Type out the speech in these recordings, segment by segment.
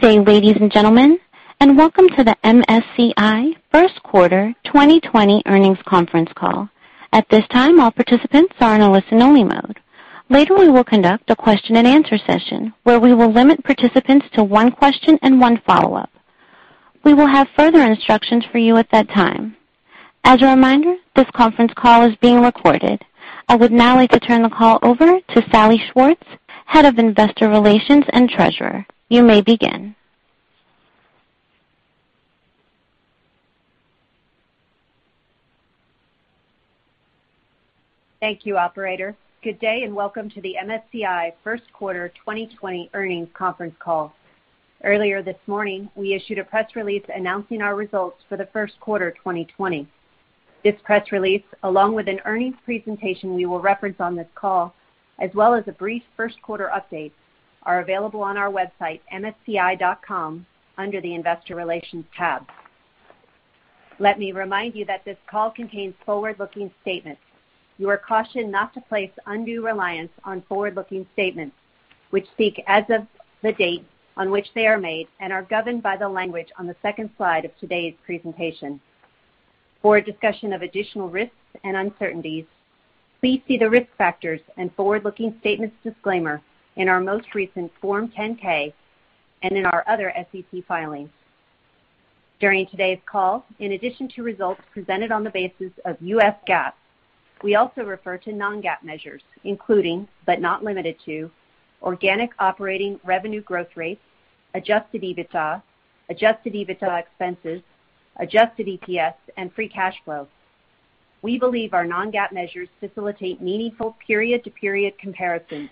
Good day, ladies and gentlemen, and welcome to the MSCI first quarter 2020 earnings conference call. At this time, all participants are in a listen-only mode. Later, we will conduct a question and answer session, where we will limit participants to one question and one follow-up. We will have further instructions for you at that time. As a reminder, this conference call is being recorded. I would now like to turn the call over to Salli Schwartz, Head of Investor Relations and Treasurer. You may begin. Thank you, operator. Good day, welcome to the MSCI first quarter 2020 earnings conference call. Earlier this morning, we issued a press release announcing our results for the first quarter 2020. This press release, along with an earnings presentation we will reference on this call, as well as a brief first quarter update, are available on our website, msci.com, under the investor relations tab. Let me remind you that this call contains forward-looking statements. You are cautioned not to place undue reliance on forward-looking statements, which speak as of the date on which they are made and are governed by the language on the second slide of today's presentation. For a discussion of additional risks and uncertainties, please see the risk factors and forward-looking statements disclaimer in our most recent Form 10-K and in our other SEC filings. During today's call, in addition to results presented on the basis of U.S. GAAP, we also refer to non-GAAP measures, including, but not limited to organic operating revenue growth rates, adjusted EBITDA, adjusted EBITDA expenses, adjusted EPS, and free cash flow. We believe our non-GAAP measures facilitate meaningful period-to-period comparisons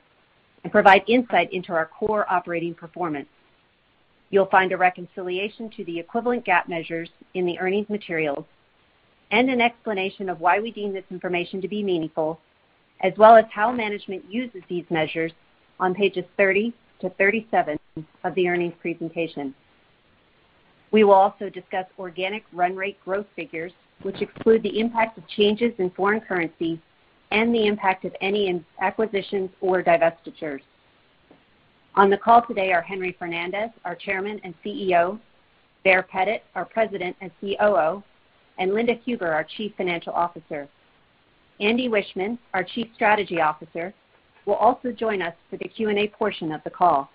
and provide insight into our core operating performance. You'll find a reconciliation to the equivalent GAAP measures in the earnings materials and an explanation of why we deem this information to be meaningful, as well as how management uses these measures on pages 30 to 37 of the earnings presentation. We will also discuss organic run rate growth figures, which exclude the impact of changes in foreign currency and the impact of any acquisitions or divestitures. On the call today are Henry Fernandez, our Chairman and CEO, Baer Pettit, our President and COO, and Linda Huber, our Chief Financial Officer. Andy Wiechmann, our Chief Strategy Officer, will also join us for the Q&A portion of the call.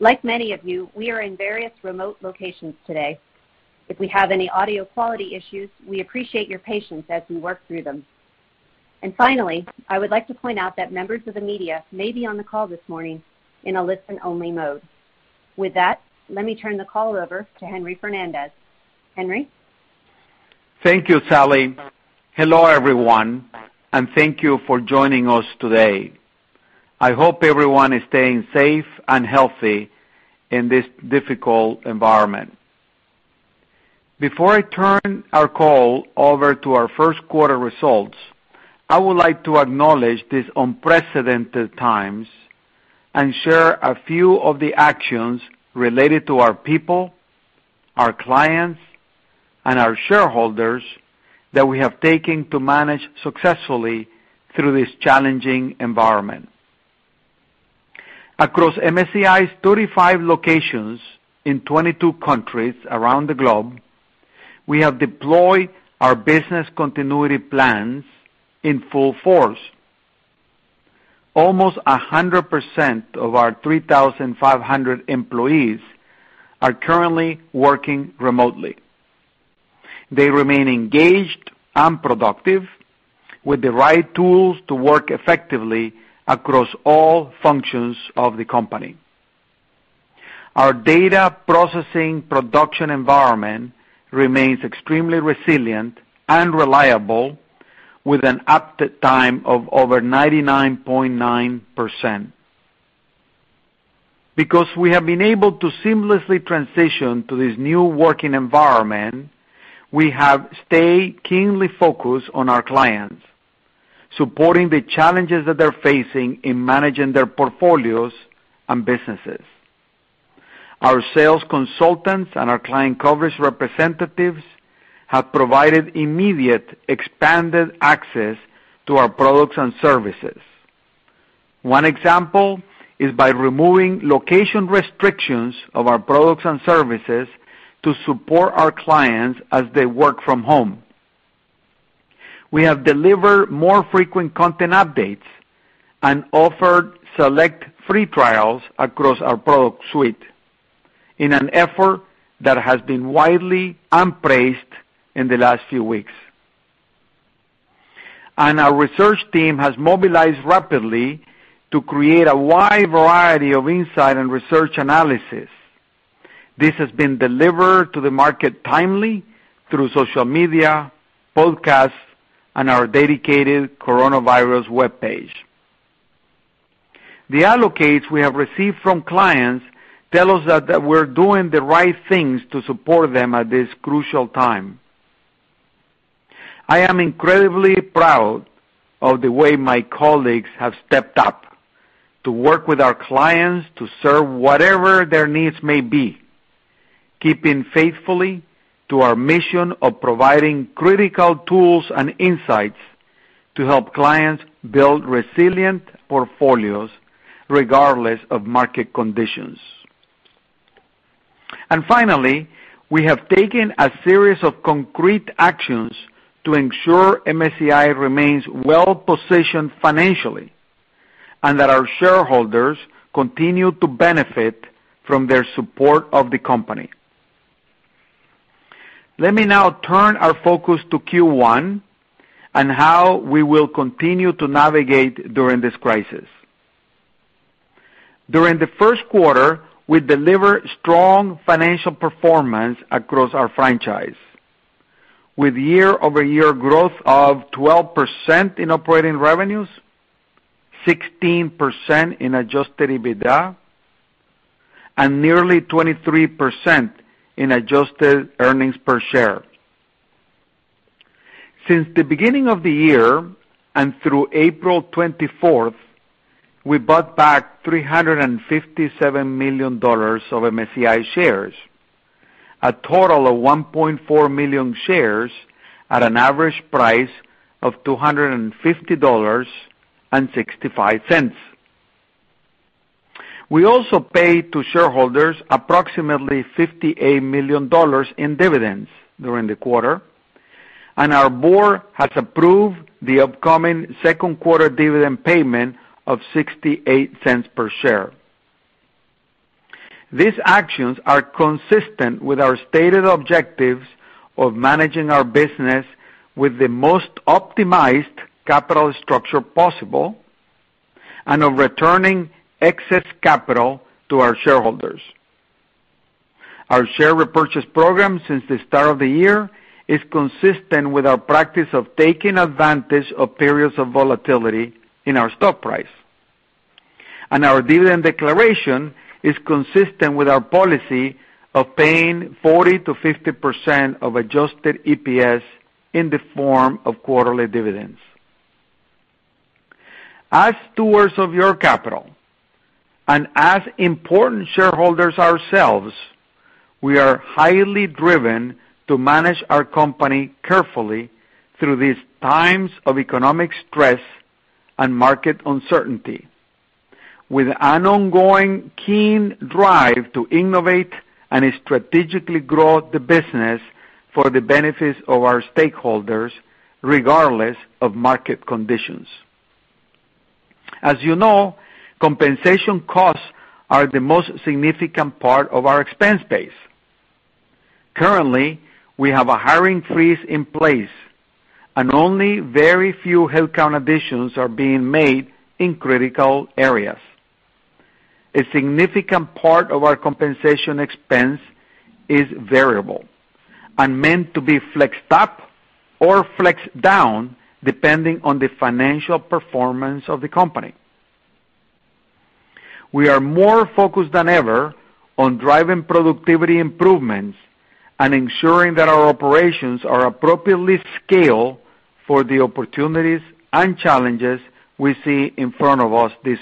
Like many of you, we are in various remote locations today. If we have any audio quality issues, we appreciate your patience as we work through them. Finally, I would like to point out that members of the media may be on the call this morning in a listen-only mode. With that, let me turn the call over to Henry Fernandez. Henry. Thank you, Salli. Hello, everyone, and thank you for joining us today. I hope everyone is staying safe and healthy in this difficult environment. Before I turn our call over to our first quarter results, I would like to acknowledge these unprecedented times and share a few of the actions related to our people, our clients, and our shareholders that we have taken to manage successfully through this challenging environment. Across MSCI's 35 locations in 22 countries around the globe, we have deployed our business continuity plans in full force. Almost 100% of our 3,500 employees are currently working remotely. They remain engaged and productive with the right tools to work effectively across all functions of the company. Our data processing production environment remains extremely resilient and reliable with an uptime of over 99.9%. Because we have been able to seamlessly transition to this new working environment, we have stayed keenly focused on our clients, supporting the challenges that they're facing in managing their portfolios and businesses. Our sales consultants and our client coverage representatives have provided immediate expanded access to our products and services. One example is by removing location restrictions of our products and services to support our clients as they work from home. We have delivered more frequent content updates and offered select free trials across our product suite in an effort that has been widely and praised in the last few weeks. Our research team has mobilized rapidly to create a wide variety of insight and research analysis. This has been delivered to the market timely through social media, podcasts, and our dedicated coronavirus webpage. The accolades we have received from clients tell us that we're doing the right things to support them at this crucial time. I am incredibly proud of the way my colleagues have stepped up to work with our clients to serve whatever their needs may be, keeping faithfully to our mission of providing critical tools and insights to help clients build resilient portfolios regardless of market conditions. Finally, we have taken a series of concrete actions to ensure MSCI remains well-positioned financially, and that our shareholders continue to benefit from their support of the company. Let me now turn our focus to Q1 and how we will continue to navigate during this crisis. During the first quarter, we delivered strong financial performance across our franchise, with year-over-year growth of 12% in operating revenues, 16% in adjusted EBITDA, and nearly 23% in adjusted earnings per share. Since the beginning of the year, and through April 24th, we bought back $357 million of MSCI shares, a total of 1.4 million shares at an average price of $250.65. We also paid to shareholders approximately $58 million in dividends during the quarter, and our board has approved the upcoming second quarter dividend payment of $0.68 per share. These actions are consistent with our stated objectives of managing our business with the most optimized capital structure possible and of returning excess capital to our shareholders. Our share repurchase program since the start of the year is consistent with our practice of taking advantage of periods of volatility in our stock price. Our dividend declaration is consistent with our policy of paying 40%-50% of adjusted EPS in the form of quarterly dividends. As stewards of your capital, and as important shareholders ourselves, we are highly driven to manage our company carefully through these times of economic stress and market uncertainty, with an ongoing keen drive to innovate and strategically grow the business for the benefits of our stakeholders, regardless of market conditions. As you know, compensation costs are the most significant part of our expense base. Currently, we have a hiring freeze in place and only very few headcount additions are being made in critical areas. A significant part of our compensation expense is variable and meant to be flexed up or flexed down depending on the financial performance of the company. We are more focused than ever on driving productivity improvements and ensuring that our operations are appropriately scaled for the opportunities and challenges we see in front of us this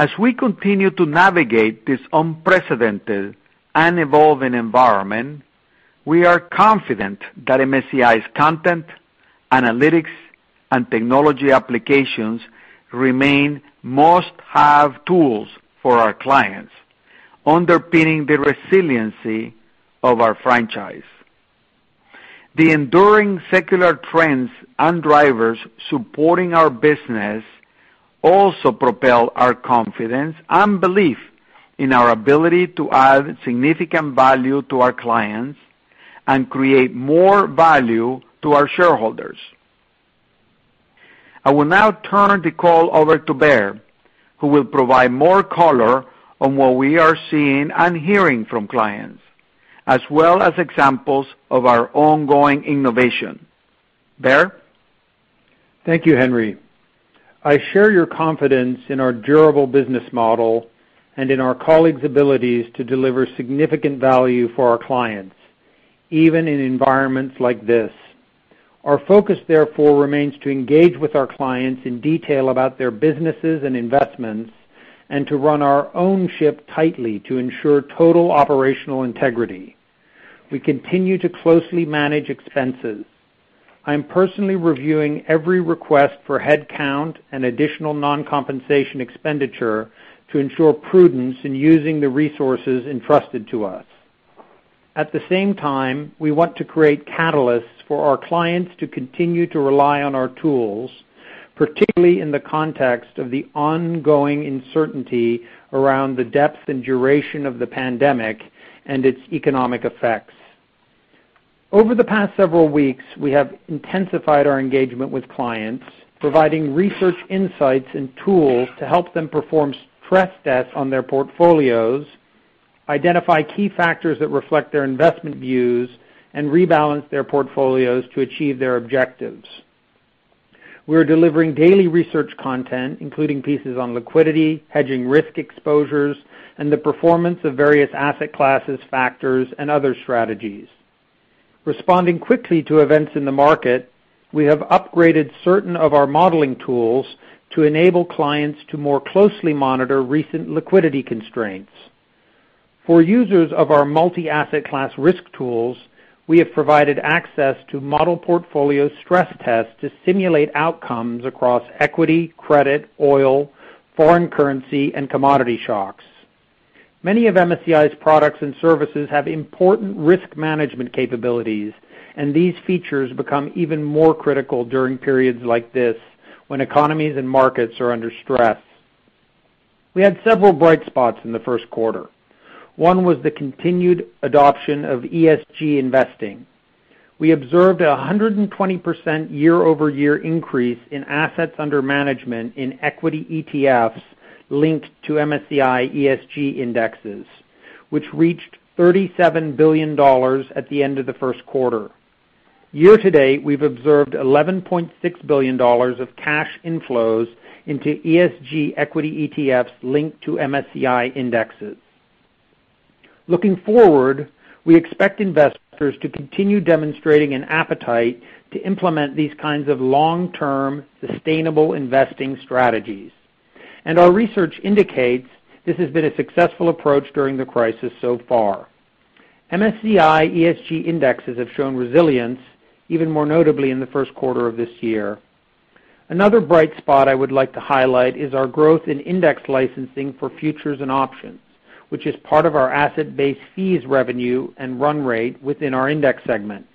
year. As we continue to navigate this unprecedented and evolving environment, we are confident that MSCI's content, analytics, and technology applications remain must-have tools for our clients, underpinning the resiliency of our franchise. The enduring secular trends and drivers supporting our business also propel our confidence and belief in our ability to add significant value to our clients and create more value to our shareholders. I will now turn the call over to Baer, who will provide more color on what we are seeing and hearing from clients, as well as examples of our ongoing innovation. Baer? Thank you, Henry. I share your confidence in our durable business model and in our colleagues' abilities to deliver significant value for our clients, even in environments like this. Our focus, therefore, remains to engage with our clients in detail about their businesses and investments, and to run our own ship tightly to ensure total operational integrity. We continue to closely manage expenses. I am personally reviewing every request for headcount and additional non-compensation expenditure to ensure prudence in using the resources entrusted to us. At the same time, we want to create catalysts for our clients to continue to rely on our tools, particularly in the context of the ongoing uncertainty around the depth and duration of the pandemic and its economic effects. Over the past several weeks, we have intensified our engagement with clients, providing research insights and tools to help them perform stress tests on their portfolios, identify key factors that reflect their investment views, and rebalance their portfolios to achieve their objectives. We are delivering daily research content, including pieces on liquidity, hedging risk exposures, and the performance of various asset classes, factors, and other strategies. Responding quickly to events in the market, we have upgraded certain of our modeling tools to enable clients to more closely monitor recent liquidity constraints. For users of our multi-asset class risk tools, we have provided access to model portfolio stress tests to simulate outcomes across equity, credit, oil, foreign currency, and commodity shocks. Many of MSCI's products and services have important risk management capabilities, and these features become even more critical during periods like this, when economies and markets are under stress. We had several bright spots in the first quarter. One was the continued adoption of ESG investing. We observed 120% year-over-year increase in assets under management in equity ETFs linked to MSCI ESG Indexes, which reached $37 billion at the end of the first quarter. Year to date, we've observed $11.6 billion of cash inflows into ESG equity ETFs linked to MSCI indexes. Looking forward, we expect investors to continue demonstrating an appetite to implement these kinds of long-term, sustainable investing strategies. Our research indicates this has been a successful approach during the crisis so far. MSCI ESG Indexes have shown resilience even more notably in the first quarter of this year. Another bright spot I would like to highlight is our growth in index licensing for futures and options, which is part of our asset-based fees revenue and run rate within our index segment.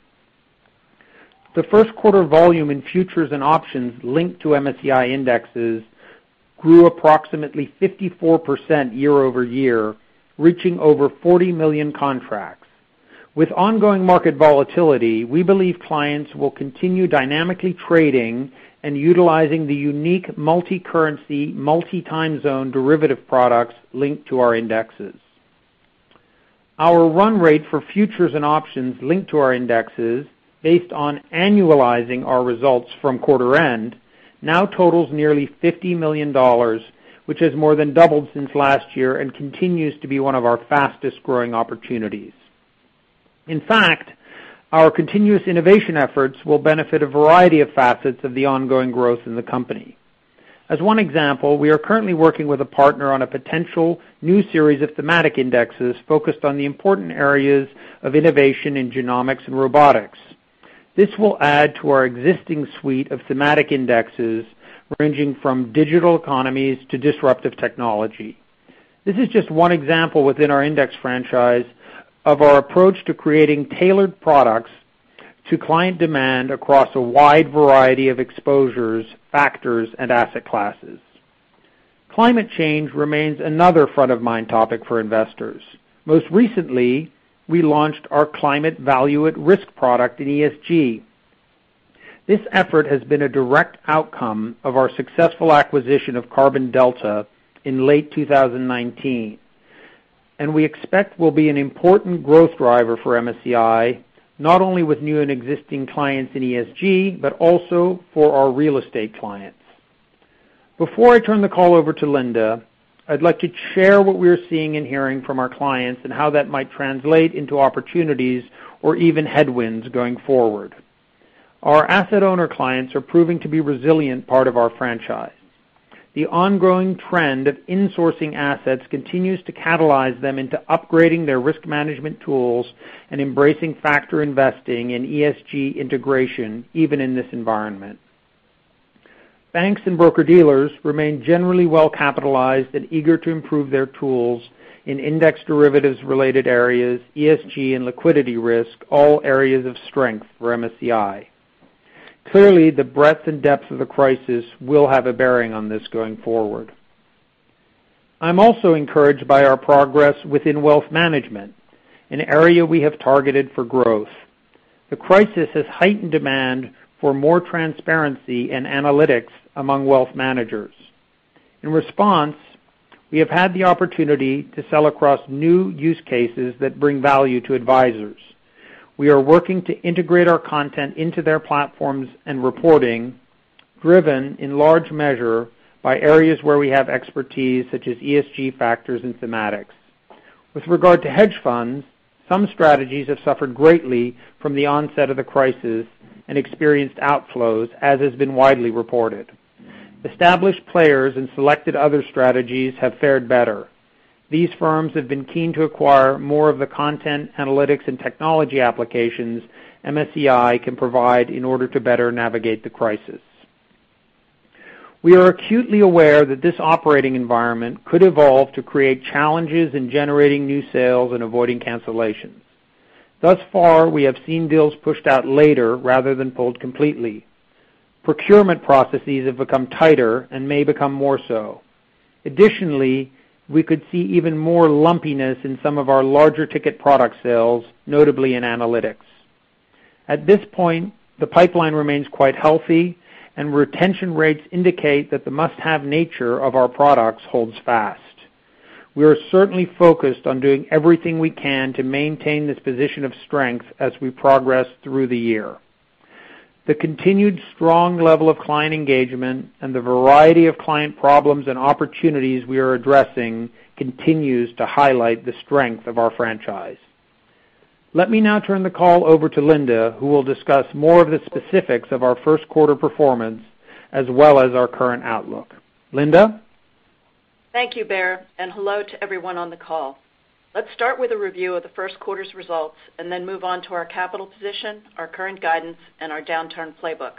The first quarter volume in futures and options linked to MSCI indexes grew approximately 54% year-over-year, reaching over 40 million contracts. With ongoing market volatility, we believe clients will continue dynamically trading and utilizing the unique multi-currency, multi-time zone derivative products linked to our indexes. Our run rate for futures and options linked to our indexes, based on annualizing our results from quarter end, now totals nearly $50 million, which has more than doubled since last year and continues to be one of our fastest-growing opportunities. In fact, our continuous innovation efforts will benefit a variety of facets of the ongoing growth in the company. As one example, we are currently working with a partner on a potential new series of thematic indexes focused on the important areas of innovation in genomics and robotics. This will add to our existing suite of thematic indexes, ranging from digital economies to disruptive technology. This is just one example within our index franchise of our approach to creating tailored products to client demand across a wide variety of exposures, factors, and asset classes. Climate change remains another front-of-mind topic for investors. Most recently, we launched our Climate Value-at-Risk product in ESG. This effort has been a direct outcome of our successful acquisition of Carbon Delta in late 2019, and we expect will be an important growth driver for MSCI, not only with new and existing clients in ESG, but also for our real estate clients. Before I turn the call over to Linda, I'd like to share what we're seeing and hearing from our clients and how that might translate into opportunities or even headwinds going forward. Our asset owner clients are proving to be a resilient part of our franchise. The ongoing trend of insourcing assets continues to catalyze them into upgrading their risk management tools and embracing factor investing in ESG integration, even in this environment. Banks and broker-dealers remain generally well-capitalized and eager to improve their tools in index derivatives-related areas, ESG, and liquidity risk, all areas of strength for MSCI. Clearly, the breadth and depth of the crisis will have a bearing on this going forward. I'm also encouraged by our progress within wealth management, an area we have targeted for growth. The crisis has heightened demand for more transparency and analytics among wealth managers. In response, we have had the opportunity to sell across new use cases that bring value to advisors. We are working to integrate our content into their platforms and reporting, driven in large measure by areas where we have expertise, such as ESG factors and thematics. With regard to hedge funds, some strategies have suffered greatly from the onset of the crisis and experienced outflows, as has been widely reported. Established players and selected other strategies have fared better. These firms have been keen to acquire more of the content, analytics, and technology applications MSCI can provide in order to better navigate the crisis. We are acutely aware that this operating environment could evolve to create challenges in generating new sales and avoiding cancellation. Thus far, we have seen deals pushed out later rather than pulled completely. Procurement processes have become tighter and may become more so. Additionally, we could see even more lumpiness in some of our larger ticket product sales, notably in analytics. At this point, the pipeline remains quite healthy, and retention rates indicate that the must-have nature of our products holds fast. We are certainly focused on doing everything we can to maintain this position of strength as we progress through the year. The continued strong level of client engagement and the variety of client problems and opportunities we are addressing continues to highlight the strength of our franchise. Let me now turn the call over to Linda, who will discuss more of the specifics of our first quarter performance, as well as our current outlook. Linda? Thank you, Baer. Hello to everyone on the call. Let's start with a review of the first quarter's results, then move on to our capital position, our current guidance, and our downturn playbook.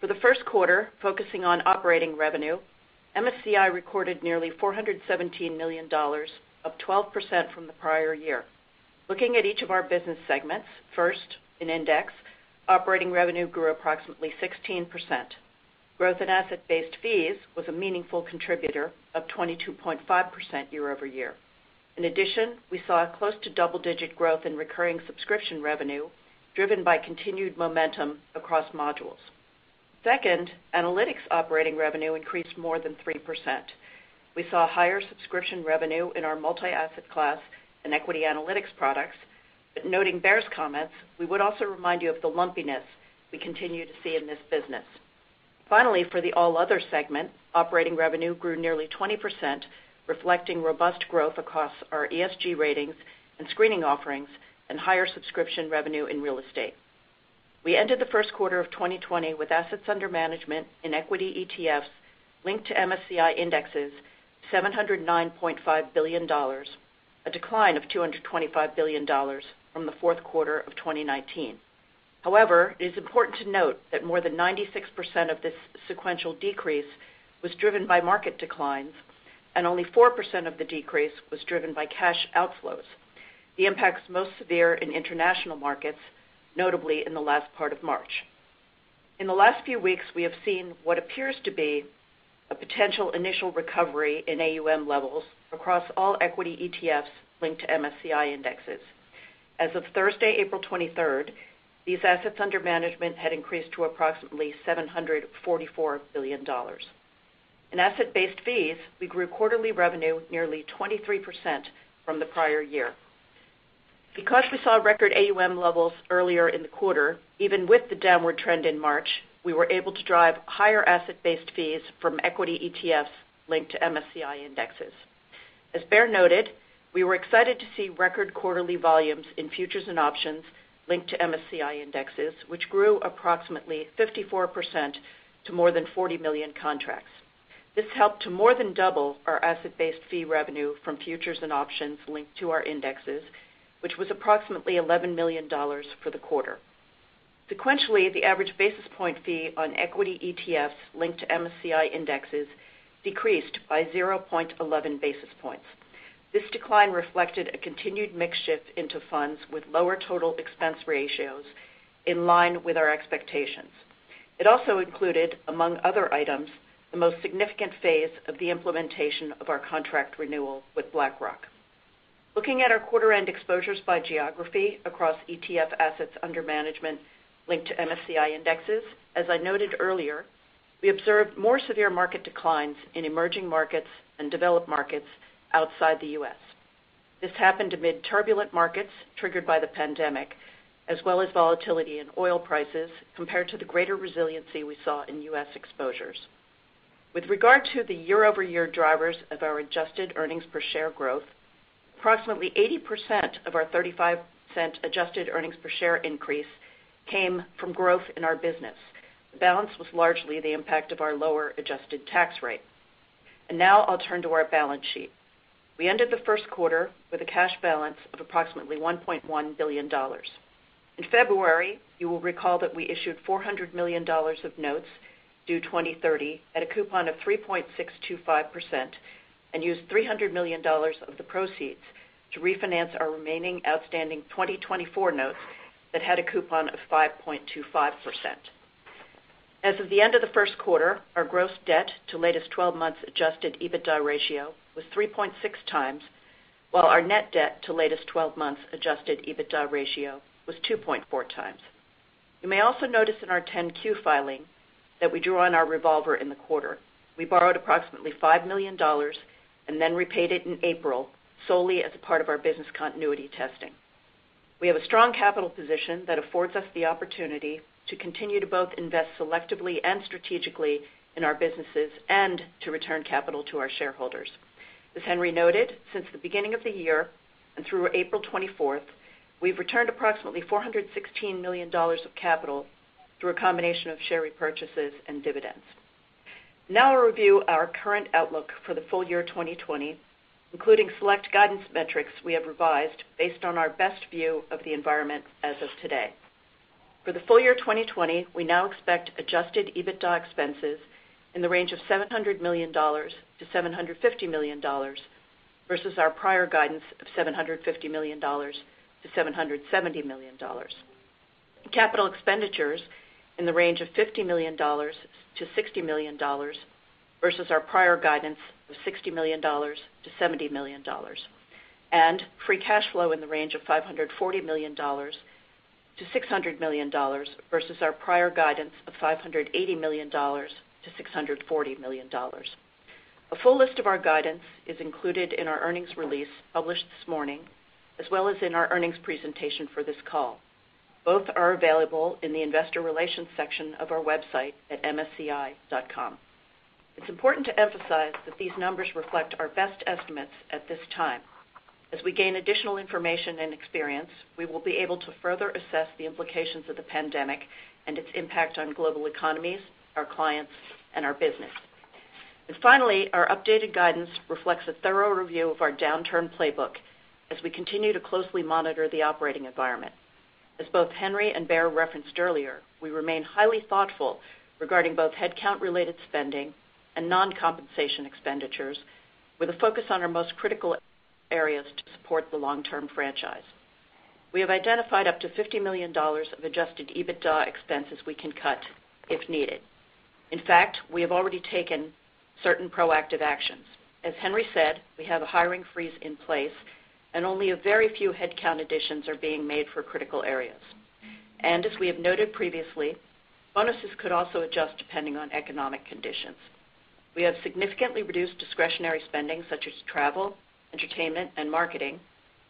For the first quarter, focusing on operating revenue, MSCI recorded nearly $417 million, up 12% from the prior year. Looking at each of our business segments, first, in Index, operating revenue grew approximately 16%. Growth in asset-based fees was a meaningful contributor, up 22.5% year-over-year. In addition, we saw a close to double-digit growth in recurring subscription revenue, driven by continued momentum across modules. Second, Analytics operating revenue increased more than 3%. We saw higher subscription revenue in our multi-asset class and equity analytics products. Noting Baer's comments, we would also remind you of the lumpiness we continue to see in this business. Finally, for the all other segment, operating revenue grew nearly 20%, reflecting robust growth across our ESG ratings and screening offerings and higher subscription revenue in real estate. We ended the first quarter of 2020 with assets under management in equity ETFs linked to MSCI indexes, $709.5 billion, a decline of $225 billion from the fourth quarter of 2019. However, it is important to note that more than 96% of this sequential decrease was driven by market declines, and only 4% of the decrease was driven by cash outflows. The impacts most severe in international markets, notably in the last part of March. In the last few weeks, we have seen what appears to be a potential initial recovery in AUM levels across all equity ETFs linked to MSCI indexes. As of Thursday, April 23rd, these assets under management had increased to approximately $744 billion. In asset-based fees, we grew quarterly revenue nearly 23% from the prior year. Because we saw record AUM levels earlier in the quarter, even with the downward trend in March, we were able to drive higher asset-based fees from equity ETFs linked to MSCI indexes. As Baer noted, we were excited to see record quarterly volumes in futures and options linked to MSCI indexes, which grew approximately 54% to more than 40 million contracts. This helped to more than double our asset-based fee revenue from futures and options linked to our indexes, which was approximately $11 million for the quarter. Sequentially, the average basis point fee on equity ETFs linked to MSCI indexes decreased by 0.11 basis points. This decline reflected a continued mix shift into funds with lower total expense ratios in line with our expectations. It also included, among other items, the most significant phase of the implementation of our contract renewal with BlackRock. Looking at our quarter end exposures by geography across ETF assets under management linked to MSCI indexes, as I noted earlier, we observed more severe market declines in emerging markets and developed markets outside the U.S. This happened amid turbulent markets triggered by the pandemic, as well as volatility in oil prices compared to the greater resiliency we saw in U.S. exposures. With regard to the year-over-year drivers of our adjusted earnings per share growth, approximately 80% of our $0.35 adjusted earnings per share increase came from growth in our business. The balance was largely the impact of our lower adjusted tax rate. Now, I'll turn to our balance sheet. We ended the first quarter with a cash balance of approximately $1.1 billion. In February, you will recall that we issued $400 million of notes due 2030 at a coupon of 3.625% and used $300 million of the proceeds to refinance our remaining outstanding 2024 notes that had a coupon of 5.25%. As of the end of the first quarter, our gross debt to latest 12 months adjusted EBITDA ratio was 3.6x, while our net debt to latest 12 months adjusted EBITDA ratio was 2.4x. You may also notice in our 10-Q filing that we drew on our revolver in the quarter. We borrowed approximately $5 million and then repaid it in April, solely as a part of our business continuity testing. We have a strong capital position that affords us the opportunity to continue to both invest selectively and strategically in our businesses and to return capital to our shareholders. As Henry noted, since the beginning of the year and through April 24th, we've returned approximately $416 million of capital through a combination of share repurchases and dividends. Now I'll review our current outlook for the full year 2020, including select guidance metrics we have revised based on our best view of the environment as of today. For the full year 2020, we now expect adjusted EBITDA expenses in the range of $700 million-$750 million, versus our prior guidance of $750 million-$770 million. Capital expenditures in the range of $50 million-$60 million, versus our prior guidance of $60 million-$70 million. Free cash flow in the range of $540 million-$600 million, versus our prior guidance of $580 million-$640 million. A full list of our guidance is included in our earnings release published this morning, as well as in our earnings presentation for this call. Both are available in the investor relations section of our website at msci.com. It's important to emphasize that these numbers reflect our best estimates at this time. As we gain additional information and experience, we will be able to further assess the implications of the pandemic and its impact on global economies, our clients, and our business. Finally, our updated guidance reflects a thorough review of our downturn playbook as we continue to closely monitor the operating environment. As both Henry and Baer referenced earlier, we remain highly thoughtful regarding both headcount-related spending and non-compensation expenditures, with a focus on our most critical areas to support the long-term franchise. We have identified up to $50 million of adjusted EBITDA expenses we can cut if needed. In fact, we have already taken certain proactive actions. As Henry said, we have a hiring freeze in place, and only a very few headcount additions are being made for critical areas. As we have noted previously, bonuses could also adjust depending on economic conditions. We have significantly reduced discretionary spending such as travel, entertainment, and marketing,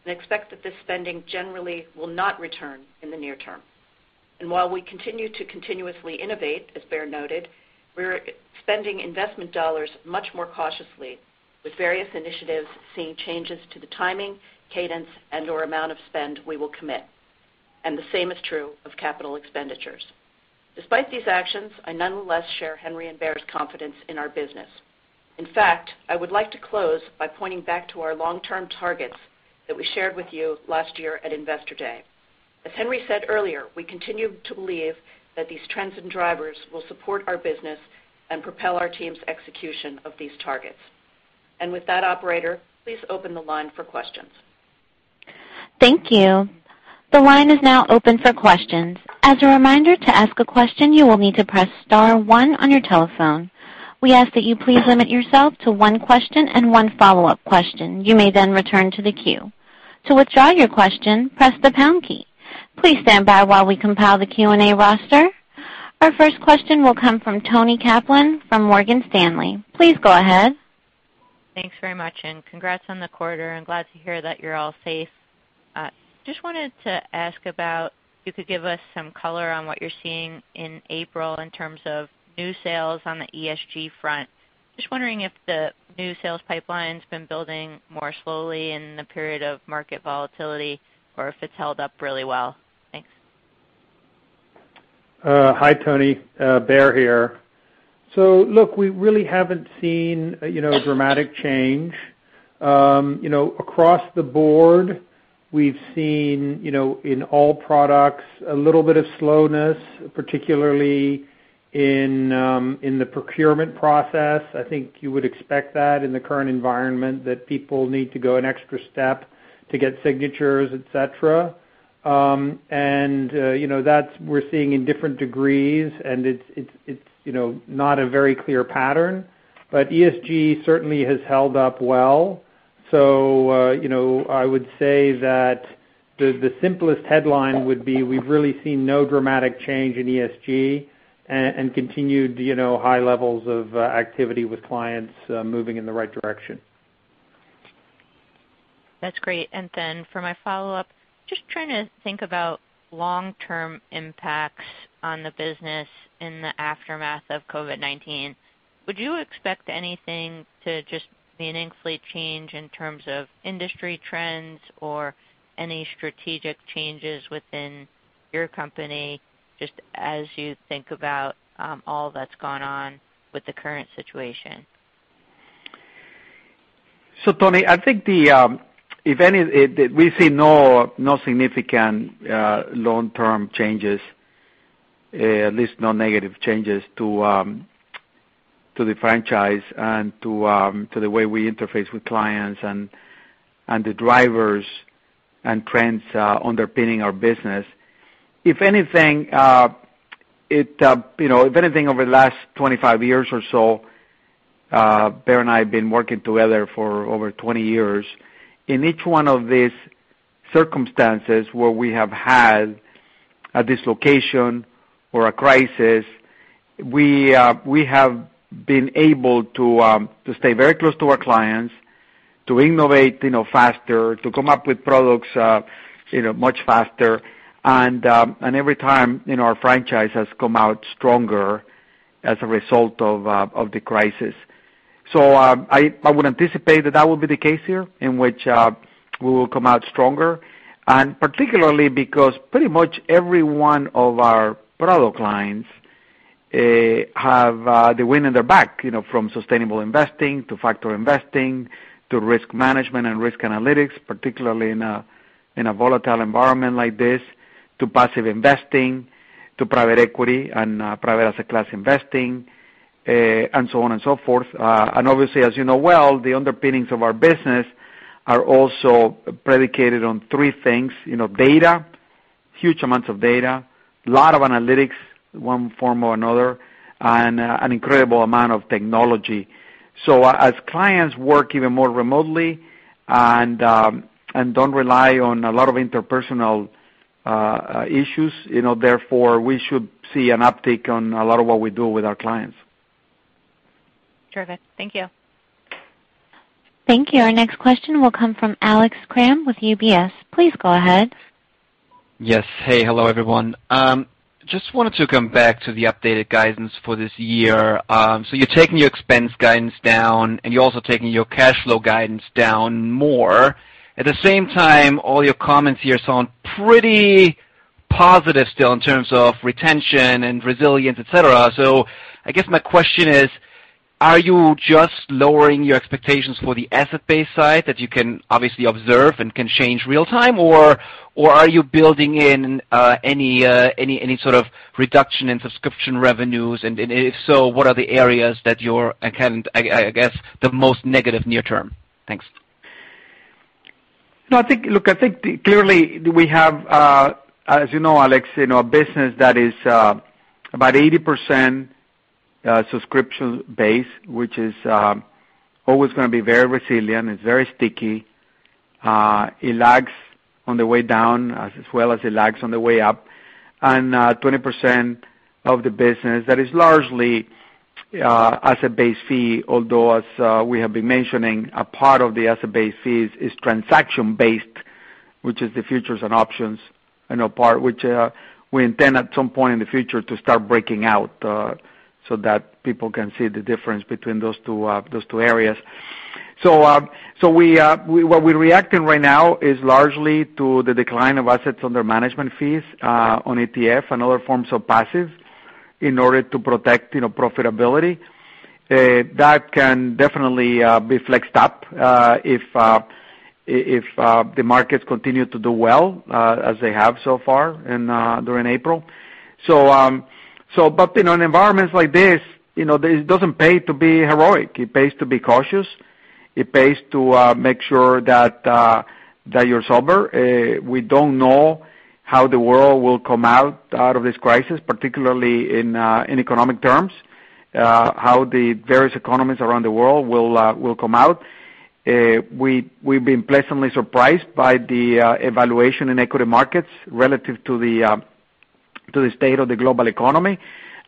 and expect that this spending generally will not return in the near term. While we continue to continuously innovate, as Baer noted, we're spending investment dollars much more cautiously, with various initiatives seeing changes to the timing, cadence, and/or amount of spend we will commit. The same is true of capital expenditures. Despite these actions, I nonetheless share Henry and Baer's confidence in our business. In fact, I would like to close by pointing back to our long-term targets that we shared with you last year at Investor Day. As Henry said earlier, we continue to believe that these trends and drivers will support our business and propel our team's execution of these targets. With that, operator, please open the line for questions. Thank you. The line is now open for questions. As a reminder, to ask a question, you will need to press star one on your telephone. We ask that you please limit yourself to one question and one follow-up question. You may then return to the queue. To withdraw your question, press the pound key. Please stand by while we compile the Q&A roster. Our first question will come from Toni Kaplan from Morgan Stanley. Please go ahead. Thanks very much. Congrats on the quarter. I'm glad to hear that you're all safe. Just wanted to ask about, if you could give us some color on what you're seeing in April in terms of new sales on the ESG front. Just wondering if the new sales pipeline's been building more slowly in the period of market volatility, or if it's held up really well. Thanks. Hi, Toni. Baer here. Look, we really haven't seen a dramatic change. Across the board, we've seen, in all products, a little bit of slowness, particularly in the procurement process. I think you would expect that in the current environment, that people need to go an extra step to get signatures, et cetera. We're seeing in different degrees, and it's not a very clear pattern. ESG certainly has held up well. I would say that the simplest headline would be we've really seen no dramatic change in ESG and continued high levels of activity with clients moving in the right direction. That's great. For my follow-up, just trying to think about long-term impacts on the business in the aftermath of COVID-19. Would you expect anything to just meaningfully change in terms of industry trends or any strategic changes within your company, just as you think about all that's going on with the current situation? Toni, I think we see no significant long-term changes, at least no negative changes to the franchise and to the way we interface with clients and the drivers and trends underpinning our business. If anything, over the last 25 years or so, Baer and I have been working together for over 20 years. In each one of these circumstances where we have had a dislocation or a crisis, we have been able to stay very close to our clients, to innovate faster, to come up with products much faster, and every time, our franchise has come out stronger as a result of the crisis. I would anticipate that that will be the case here, in which we will come out stronger, and particularly because pretty much every one of our product lines have the wind in their back, from sustainable investing, to factor investing, to risk management and risk analytics, particularly in a volatile environment like this, to passive investing, to private equity and private asset class investing, and so on and so forth. Obviously, as you know well, the underpinnings of our business are also predicated on three things, data, huge amounts of data, a lot of analytics, one form or another, and an incredible amount of technology. As clients work even more remotely and don't rely on a lot of interpersonal issues. Therefore, we should see an uptick on a lot of what we do with our clients. Terrific. Thank you. Thank you. Our next question will come from Alex Kramm with UBS. Please go ahead. Yes. Hey. Hello, everyone. Just wanted to come back to the updated guidance for this year. You're taking your expense guidance down, and you're also taking your cash flow guidance down more. At the same time, all your comments here sound pretty positive still in terms of retention and resilience, et cetera. I guess my question is, are you just lowering your expectations for the asset base side that you can obviously observe and can change real time, or are you building in any sort of reduction in subscription revenues? If so, what are the areas that you're, I guess, the most negative near term? Thanks. Look, I think clearly we have, as you know, Alex, a business that is about 80% subscription base, which is always going to be very resilient. It's very sticky. It lags on the way down as well as it lags on the way up. 20% of the business that is largely asset-based fee, although, as we have been mentioning, a part of the asset-based fees is transaction based, which is the futures and options part, which we intend at some point in the future to start breaking out so that people can see the difference between those two areas. What we're reacting right now is largely to the decline of assets under management fees on ETF and other forms of passives in order to protect profitability. That can definitely be flexed up if the markets continue to do well, as they have so far during April. In environments like this, it doesn't pay to be heroic. It pays to be cautious. It pays to make sure that you're sober. We don't know how the world will come out of this crisis, particularly in economic terms, how the various economies around the world will come out. We've been pleasantly surprised by the evaluation in equity markets relative to the state of the global economy,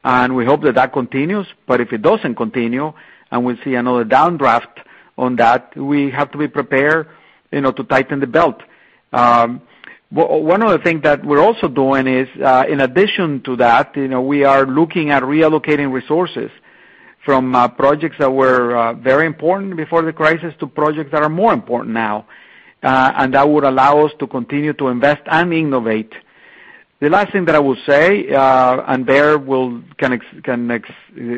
and we hope that that continues. If it doesn't continue and we see another downdraft on that, we have to be prepared to tighten the belt. One of the things that we're also doing is in addition to that, we are looking at reallocating resources from projects that were very important before the crisis to projects that are more important now, and that would allow us to continue to invest and innovate. The last thing that I will say, Baer can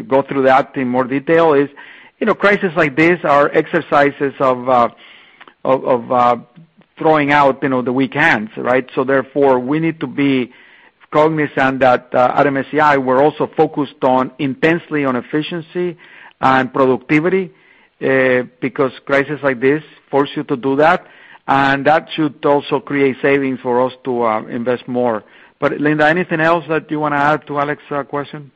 go through that in more detail, is crisis like this are exercises of throwing out the weak hands, right? Therefore, we need to be cognizant that at MSCI, we're also focused intensely on efficiency and productivity, because crisis like this force you to do that. That should also create savings for us to invest more. Linda, anything else that you want to add to Alex's question?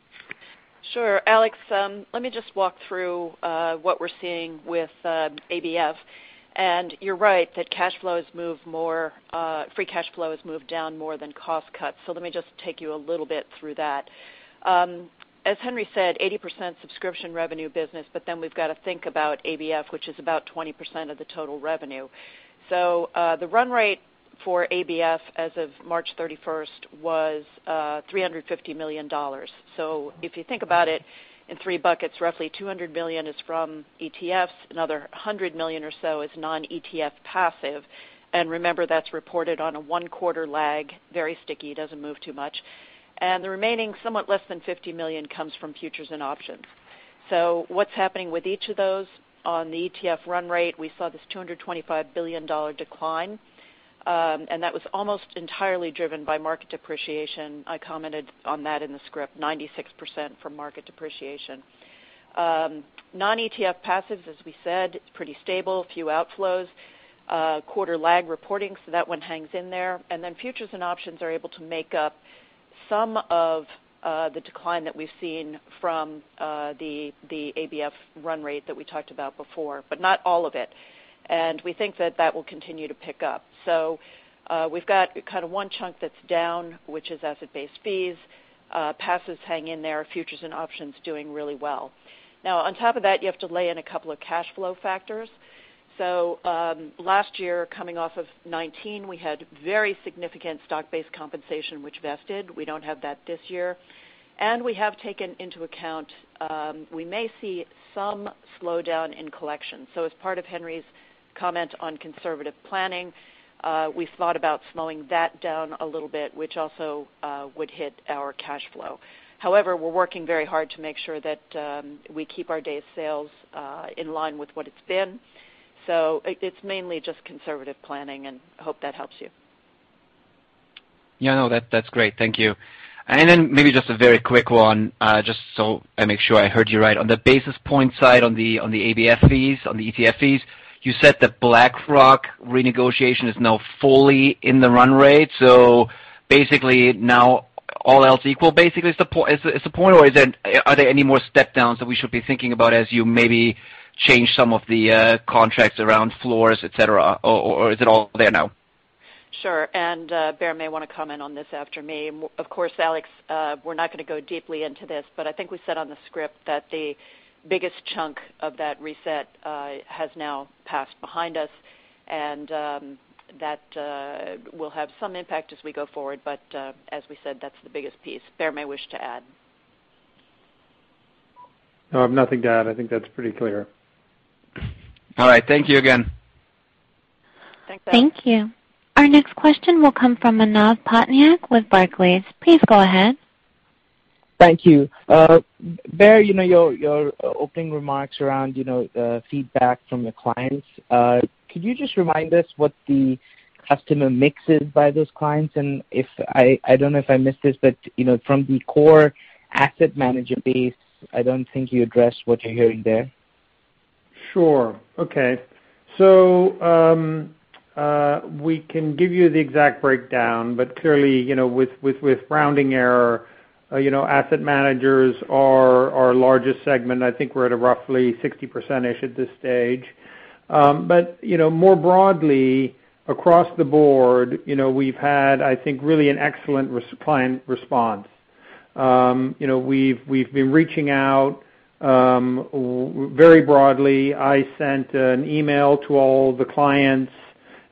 Sure. Alex, let me just walk through what we're seeing with ABF. You're right that free cash flow has moved down more than cost cuts. Let me just take you a little bit through that. As Henry said, 80% subscription revenue business. Then we've got to think about ABF, which is about 20% of the total revenue. The run rate for ABF as of March 31st was $350 million. If you think about it in three buckets, roughly $200 million is from ETFs, another $100 million or so is non-ETF passive. Remember, that's reported on a one-quarter lag, very sticky, doesn't move too much. The remaining, somewhat less than $50 million, comes from futures and options. What's happening with each of those? On the ETF run rate, we saw this $225 billion decline, and that was almost entirely driven by market depreciation. I commented on that in the script, 96% from market depreciation. Non-ETF passives, as we said, pretty stable, few outflows. Quarter lag reporting, that one hangs in there. Futures and options are able to make up some of the decline that we've seen from the ABF run rate that we talked about before, but not all of it. We think that that will continue to pick up. We've got one chunk that's down, which is asset-based fees. Passives hang in there, futures and options doing really well. Now, on top of that, you have to lay in a couple of cash flow factors. Last year, coming off of 2019, we had very significant stock-based compensation which vested. We don't have that this year. We have taken into account we may see some slowdown in collection. As part of Henry's comment on conservative planning, we thought about slowing that down a little bit, which also would hit our cash flow. However, we're working very hard to make sure that we keep our day sales in line with what it's been. It's mainly just conservative planning, and hope that helps you. Yeah, no, that's great. Thank you. Maybe just a very quick one, just so I make sure I heard you right. On the basis point side, on the ABF fees, on the ETF fees, you said that BlackRock renegotiation is now fully in the run rate. Basically now all else equal, it's the point, or are there any more step downs that we should be thinking about as you maybe change some of the contracts around floors, et cetera, or is it all there now? Sure. Baer may want to comment on this after me. Of course, Alex, we're not going to go deeply into this. I think we said on the script that the biggest chunk of that reset has now passed behind us. That will have some impact as we go forward. As we said, that's the biggest piece. Baer may wish to add. No, I've nothing to add. I think that's pretty clear. All right. Thank you again. Thanks, Alex. Thank you. Our next question will come from Manav Patnaik with Barclays. Please go ahead. Thank you. Baer, your opening remarks around feedback from your clients, could you just remind us what the customer mix is by those clients? I don't know if I missed this, but from the core asset manager base, I don't think you addressed what you're hearing there. Sure. Okay. We can give you the exact breakdown, but clearly, with rounding error, asset managers are our largest segment. I think we're at a roughly 60%-ish at this stage. More broadly, across the board, we've had, I think, really an excellent client response. We've been reaching out very broadly. I sent an email to all the clients,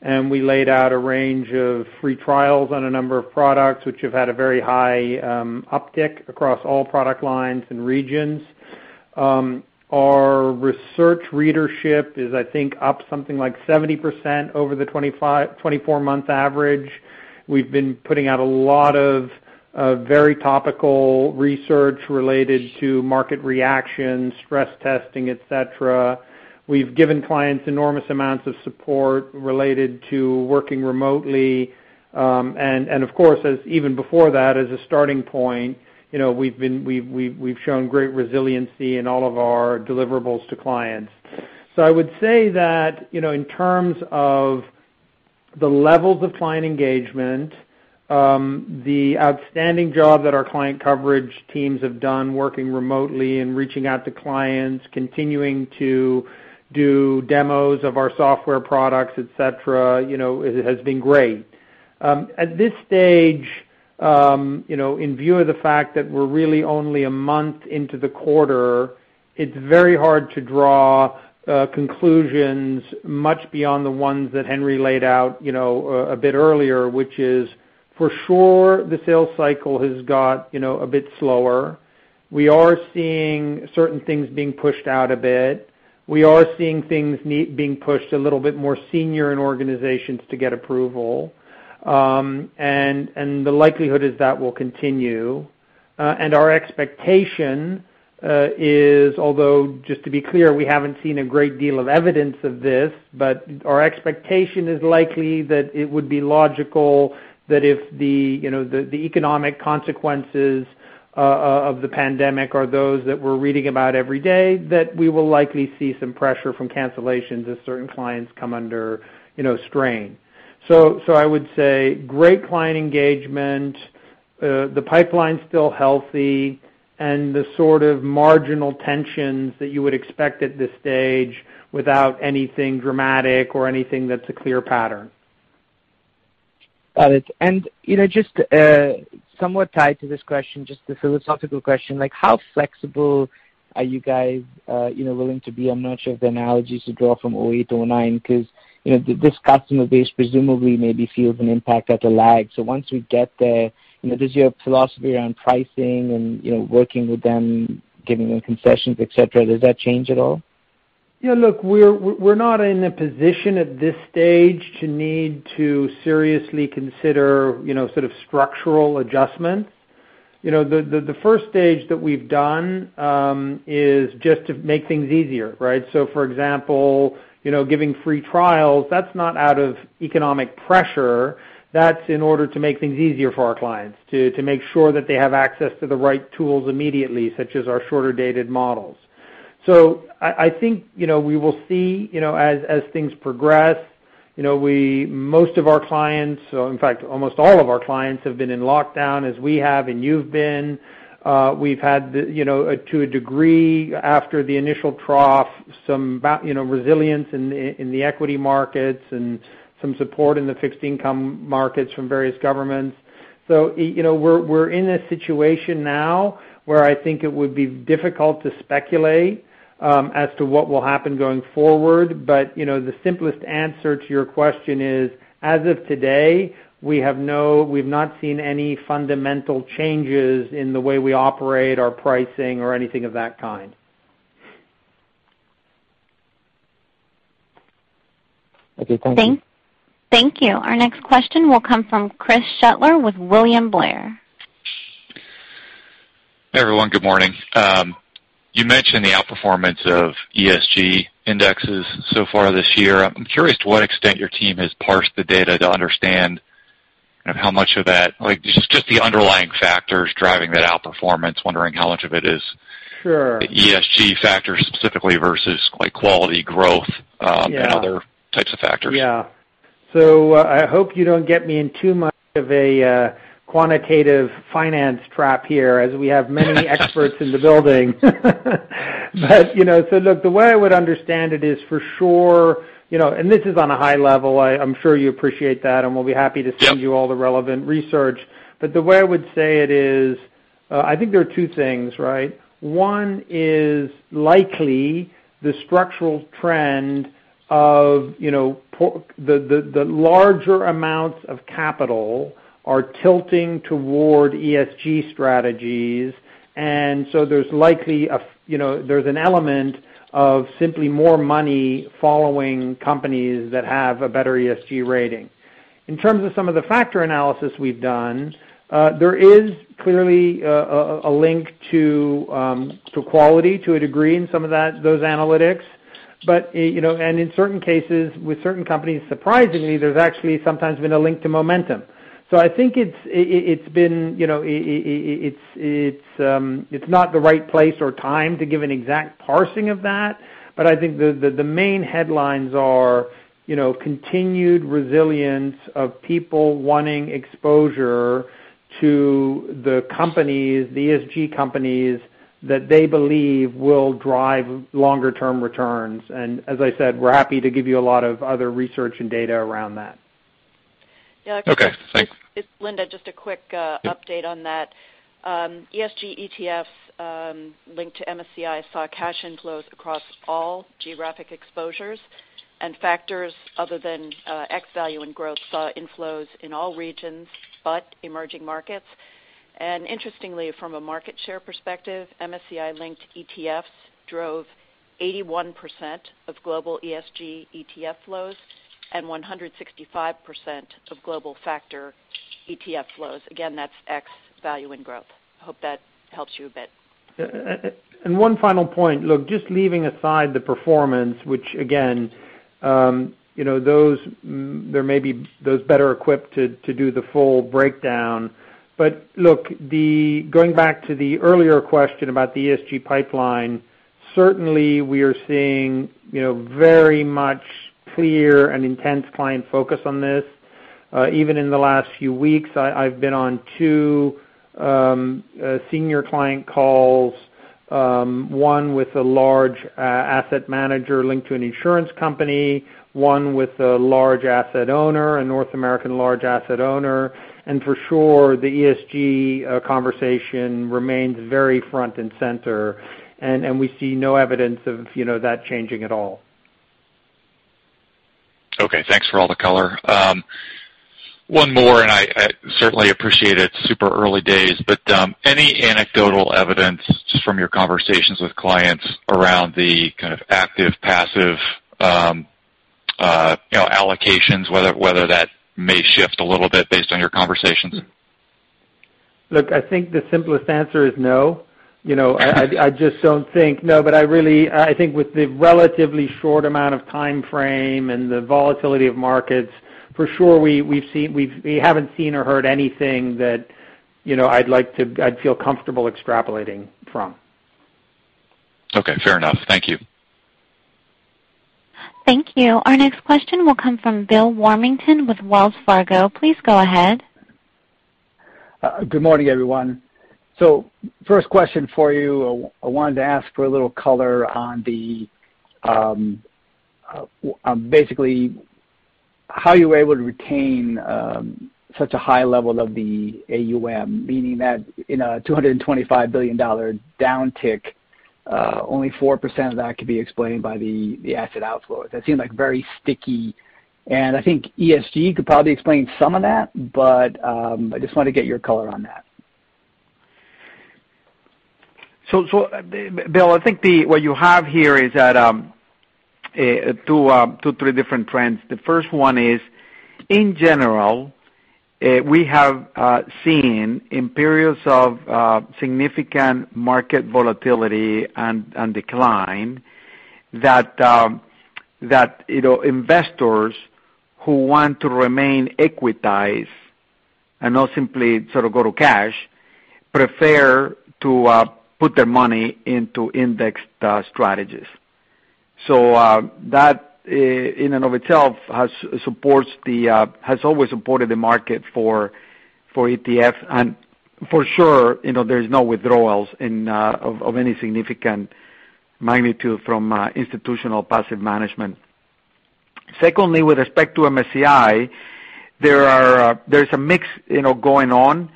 and we laid out a range of free trials on a number of products which have had a very high uptick across all product lines and regions. Our research readership is, I think, up something like 70% over the 24-month average. We've been putting out a lot of very topical research related to market reactions, stress testing, et cetera. We've given clients enormous amounts of support related to working remotely. Of course, even before that, as a starting point, we've shown great resiliency in all of our deliverables to clients. I would say that in terms of the levels of client engagement, the outstanding job that our client coverage teams have done working remotely and reaching out to clients, continuing to do demos of our software products, et cetera, has been great. At this stage, in view of the fact that we're really only a month into the quarter, it's very hard to draw conclusions much beyond the ones that Henry laid out a bit earlier, which is, for sure the sales cycle has got a bit slower. We are seeing certain things being pushed out a bit. We are seeing things being pushed a little bit more senior in organizations to get approval. The likelihood is that will continue. Our expectation is, although, just to be clear, we haven't seen a great deal of evidence of this, but our expectation is likely that it would be logical that if the economic consequences of the pandemic are those that we're reading about every day, that we will likely see some pressure from cancellations as certain clients come under strain. I would say great client engagement, the pipeline's still healthy, and the sort of marginal tensions that you would expect at this stage without anything dramatic or anything that's a clear pattern. Got it. Just somewhat tied to this question, just a philosophical question, how flexible are you guys willing to be? I'm not sure if the analogy is to draw from 2008, 2009, because this customer base presumably maybe feels an impact at a lag. Once we get there, does your philosophy around pricing and working with them, giving them concessions, et cetera, does that change at all? Look, we're not in a position at this stage to need to seriously consider structural adjustments. The first stage that we've done is just to make things easier, right? For example, giving free trials, that's not out of economic pressure. That's in order to make things easier for our clients, to make sure that they have access to the right tools immediately, such as our shorter-dated models. I think we will see as things progress. Most of our clients, in fact, almost all of our clients have been in lockdown as we have and you've been. We've had, to a degree, after the initial trough, some resilience in the equity markets and some support in the fixed income markets from various governments. We're in a situation now where I think it would be difficult to speculate as to what will happen going forward. The simplest answer to your question is, as of today, we've not seen any fundamental changes in the way we operate our pricing or anything of that kind. Okay. Thank you. Thank you. Our next question will come from Chris Shutler with William Blair. Hey, everyone. Good morning. You mentioned the outperformance of ESG indexes so far this year. I'm curious to what extent your team has parsed the data to understand how much of just the underlying factors driving that outperformance, wondering how much of it is- Sure. ESG factors specifically versus quality growth. Yeah. Other types of factors. Yeah. I hope you don't get me in too much of a quantitative finance trap here as we have many experts in the building. Look, the way I would understand it is for sure, and this is on a high level, I'm sure you appreciate that, and we'll be happy to send you all the relevant research. The way I would say it is, I think there are two things, right? One is likely the structural trend of the larger amounts of capital are tilting toward ESG strategies. There's an element of simply more money following companies that have a better ESG rating. In terms of some of the factor analysis we've done, there is clearly a link to quality to a degree in some of those analytics. In certain cases, with certain companies, surprisingly, there's actually sometimes been a link to momentum. I think it's not the right place or time to give an exact parsing of that, but I think the main headlines are continued resilience of people wanting exposure to the ESG companies that they believe will drive longer term returns. As I said, we're happy to give you a lot of other research and data around that. Okay, thanks. It's Linda. Just a quick update on that. ESG ETFs linked to MSCI saw cash inflows across all geographic exposures, and factors other than x value and growth saw inflows in all regions but emerging markets. Interestingly, from a market share perspective, MSCI-linked ETFs drove 81% of global ESG ETF flows and 165% of global factor ETF flows. Again, that's x value and growth. Hope that helps you a bit. One final point. Look, just leaving aside the performance, which again, there may be those better equipped to do the full breakdown. Look, going back to the earlier question about the ESG pipeline, certainly we are seeing very much clear and intense client focus on this. Even in the last few weeks, I've been on two senior client calls, one with a large asset manager linked to an insurance company, one with a large asset owner, a North American large asset owner. For sure, the ESG conversation remains very front and center, and we see no evidence of that changing at all. Okay, thanks for all the color. One more. I certainly appreciate it's super early days, but any anecdotal evidence from your conversations with clients around the kind of active, passive allocations, whether that may shift a little bit based on your conversations? I think the simplest answer is no. I just don't think, no, I think with the relatively short amount of timeframe and the volatility of markets, for sure we haven't seen or heard anything that I'd feel comfortable extrapolating from. Okay, fair enough. Thank you. Thank you. Our next question will come from Bill Warmington with Wells Fargo. Please go ahead. Good morning, everyone. First question for you. I wanted to ask for a little color on basically how you were able to retain such a high level of the AUM, meaning that in a $225 billion downtick, only 4% of that could be explained by the asset outflows. That seemed very sticky, and I think ESG could probably explain some of that, but I just wanted to get your color on that. Bill, I think what you have here is two, three different trends. The first one is, in general, we have seen in periods of significant market volatility and decline that investors who want to remain equitized and not simply go to cash, prefer to put their money into indexed strategies. That in and of itself has always supported the market for ETFs, and for sure, there's no withdrawals of any significant magnitude from institutional passive management. Secondly, with respect to MSCI, there's a mix going on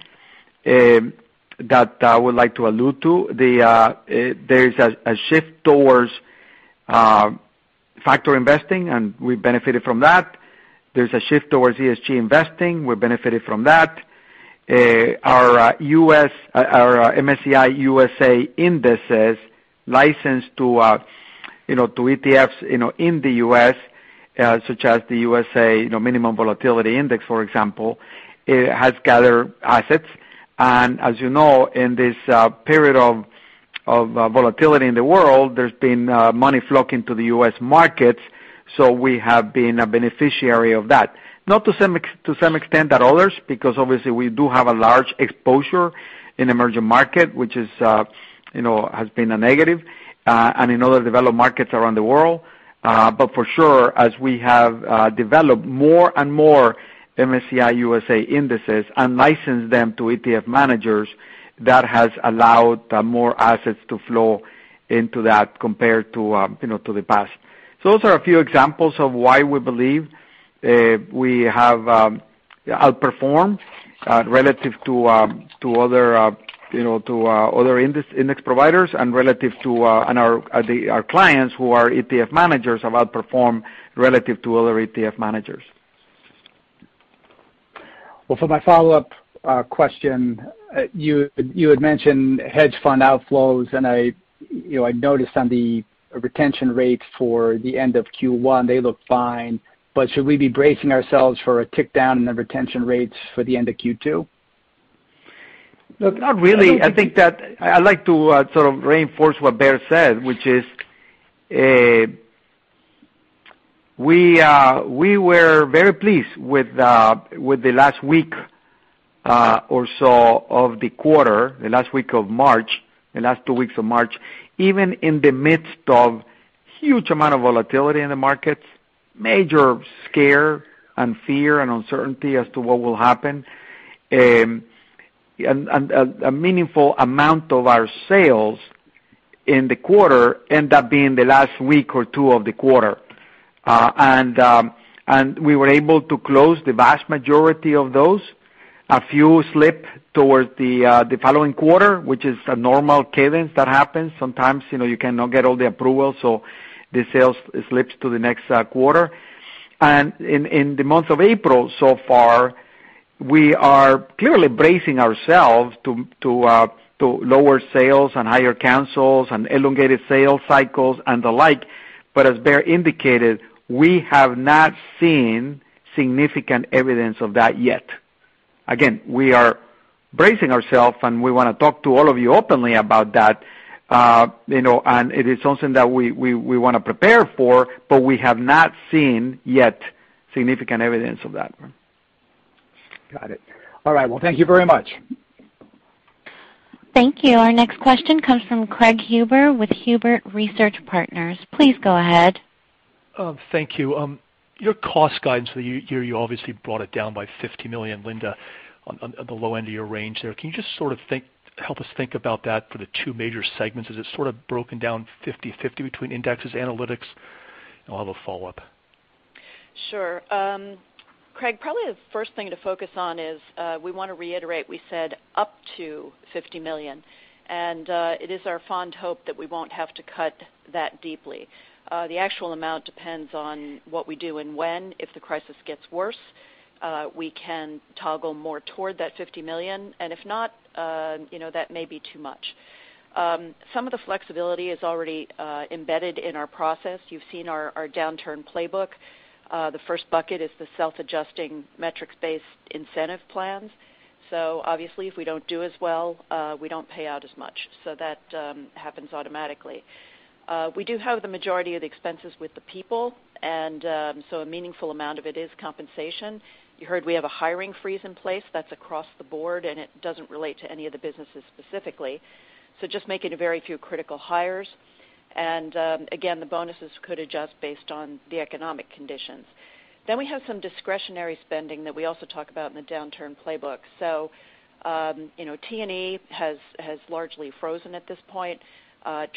that I would like to allude to. There's a shift towards factor investing, and we benefited from that. There's a shift towards ESG investing, we benefited from that. Our MSCI USA Indices licensed to ETFs in the U.S., such as the USA Minimum Volatility Index, for example, has gathered assets. As you know, in this period of volatility in the world, there's been money flocking to the U.S. markets, we have been a beneficiary of that. Not to some extent that others, because obviously we do have a large exposure in emerging market, which has been a negative, and in other developed markets around the world. For sure, as we have developed more and more MSCI USA Indexes and licensed them to ETF managers, that has allowed more assets to flow into that compared to the past. Those are a few examples of why we believe we have outperformed relative to other index providers and our clients who are ETF managers have outperformed relative to other ETF managers. Well, for my follow-up question, you had mentioned hedge fund outflows, and I noticed on the retention rate for the end of Q1, they look fine, but should we be bracing ourselves for a tick down in the retention rates for the end of Q2? Look, not really. I think that I'd like to sort of reinforce what Baer said, which is, we were very pleased with the last week or so of the quarter, the last week of March, the last two weeks of March, even in the midst of huge amount of volatility in the markets, major scare and fear and uncertainty as to what will happen. A meaningful amount of our sales in the quarter end up being the last week or two of the quarter. We were able to close the vast majority of those. A few slip towards the following quarter, which is a normal cadence that happens. Sometimes you cannot get all the approvals, the sales slips to the next quarter. In the month of April, so far, we are clearly bracing ourselves to lower sales and higher cancels and elongated sales cycles and the like. As Baer indicated, we have not seen significant evidence of that yet. Again, we are bracing ourselves, and we want to talk to all of you openly about that. It is something that we want to prepare for, but we have not seen yet significant evidence of that. Got it. All right. Thank you very much. Thank you. Our next question comes from Craig Huber with Huber Research Partners. Please go ahead. Thank you. Your cost guidance for the year, you obviously brought it down by $50 million, Linda, on the low end of your range there. Can you just sort of help us think about that for the two major segments as it's sort of broken down 50/50 between Indexes, Analytics? I'll have a follow-up. Sure. Craig, probably the first thing to focus on is we want to reiterate, we said up to $50 million, and it is our fond hope that we won't have to cut that deeply. The actual amount depends on what we do and when. If the crisis gets worse, we can toggle more toward that $50 million. If not, that may be too much. Some of the flexibility is already embedded in our process. You've seen our downturn playbook. The first bucket is the self-adjusting metrics-based incentive plans. Obviously, if we don't do as well, we don't pay out as much. That happens automatically. We do have the majority of the expenses with the people, and so a meaningful amount of it is compensation. You heard we have a hiring freeze in place that's across the board, and it doesn't relate to any of the businesses specifically. Just making a very few critical hires. Again, the bonuses could adjust based on the economic conditions. We have some discretionary spending that we also talk about in the downturn playbook. T&E has largely frozen at this point.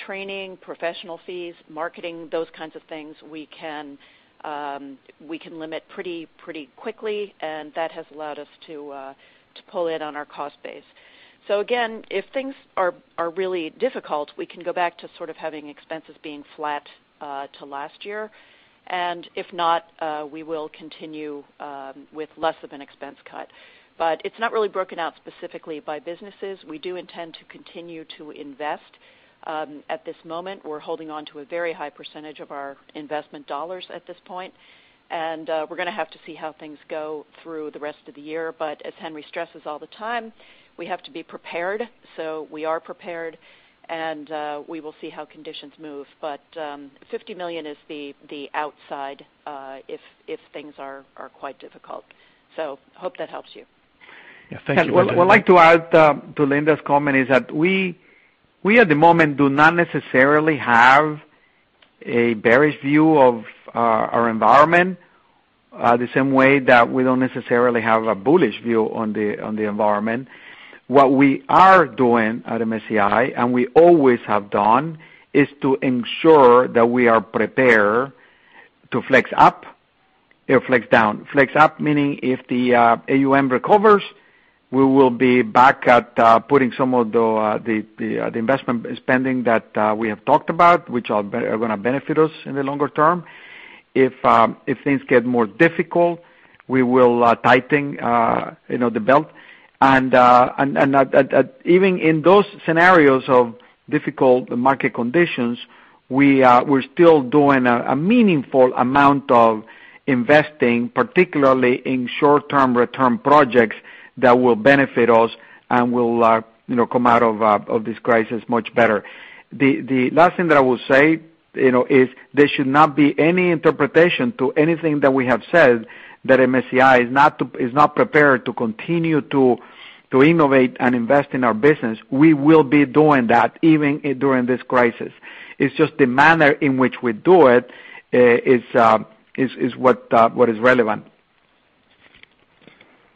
Training, professional fees, marketing, those kinds of things, we can limit pretty quickly, and that has allowed us to pull in on our cost base. Again, if things are really difficult, we can go back to sort of having expenses being flat to last year. If not, we will continue with less of an expense cut. It's not really broken out specifically by businesses. We do intend to continue to invest. At this moment, we're holding on to a very high percentage of our investment dollars at this point, and we're going to have to see how things go through the rest of the year. As Henry stresses all the time, we have to be prepared. We are prepared, and we will see how conditions move. $50 million is the outside if things are quite difficult. Hope that helps you. Yeah. Thank you. What I'd like to add to Linda's comment is that we, at the moment, do not necessarily have a bearish view of our environment, the same way that we don't necessarily have a bullish view on the environment. What we are doing at MSCI, and we always have done, is to ensure that we are prepared to flex up or flex down. Flex up, meaning if the AUM recovers, we will be back at putting some of the investment spending that we have talked about, which are going to benefit us in the longer term. If things get more difficult, we will tighten the belt. Even in those scenarios of difficult market conditions, we're still doing a meaningful amount of investing, particularly in short-term return projects that will benefit us and we'll come out of this crisis much better. The last thing that I will say, is there should not be any interpretation to anything that we have said that MSCI is not prepared to continue to innovate and invest in our business. We will be doing that even during this crisis. It's just the manner in which we do it, is what is relevant.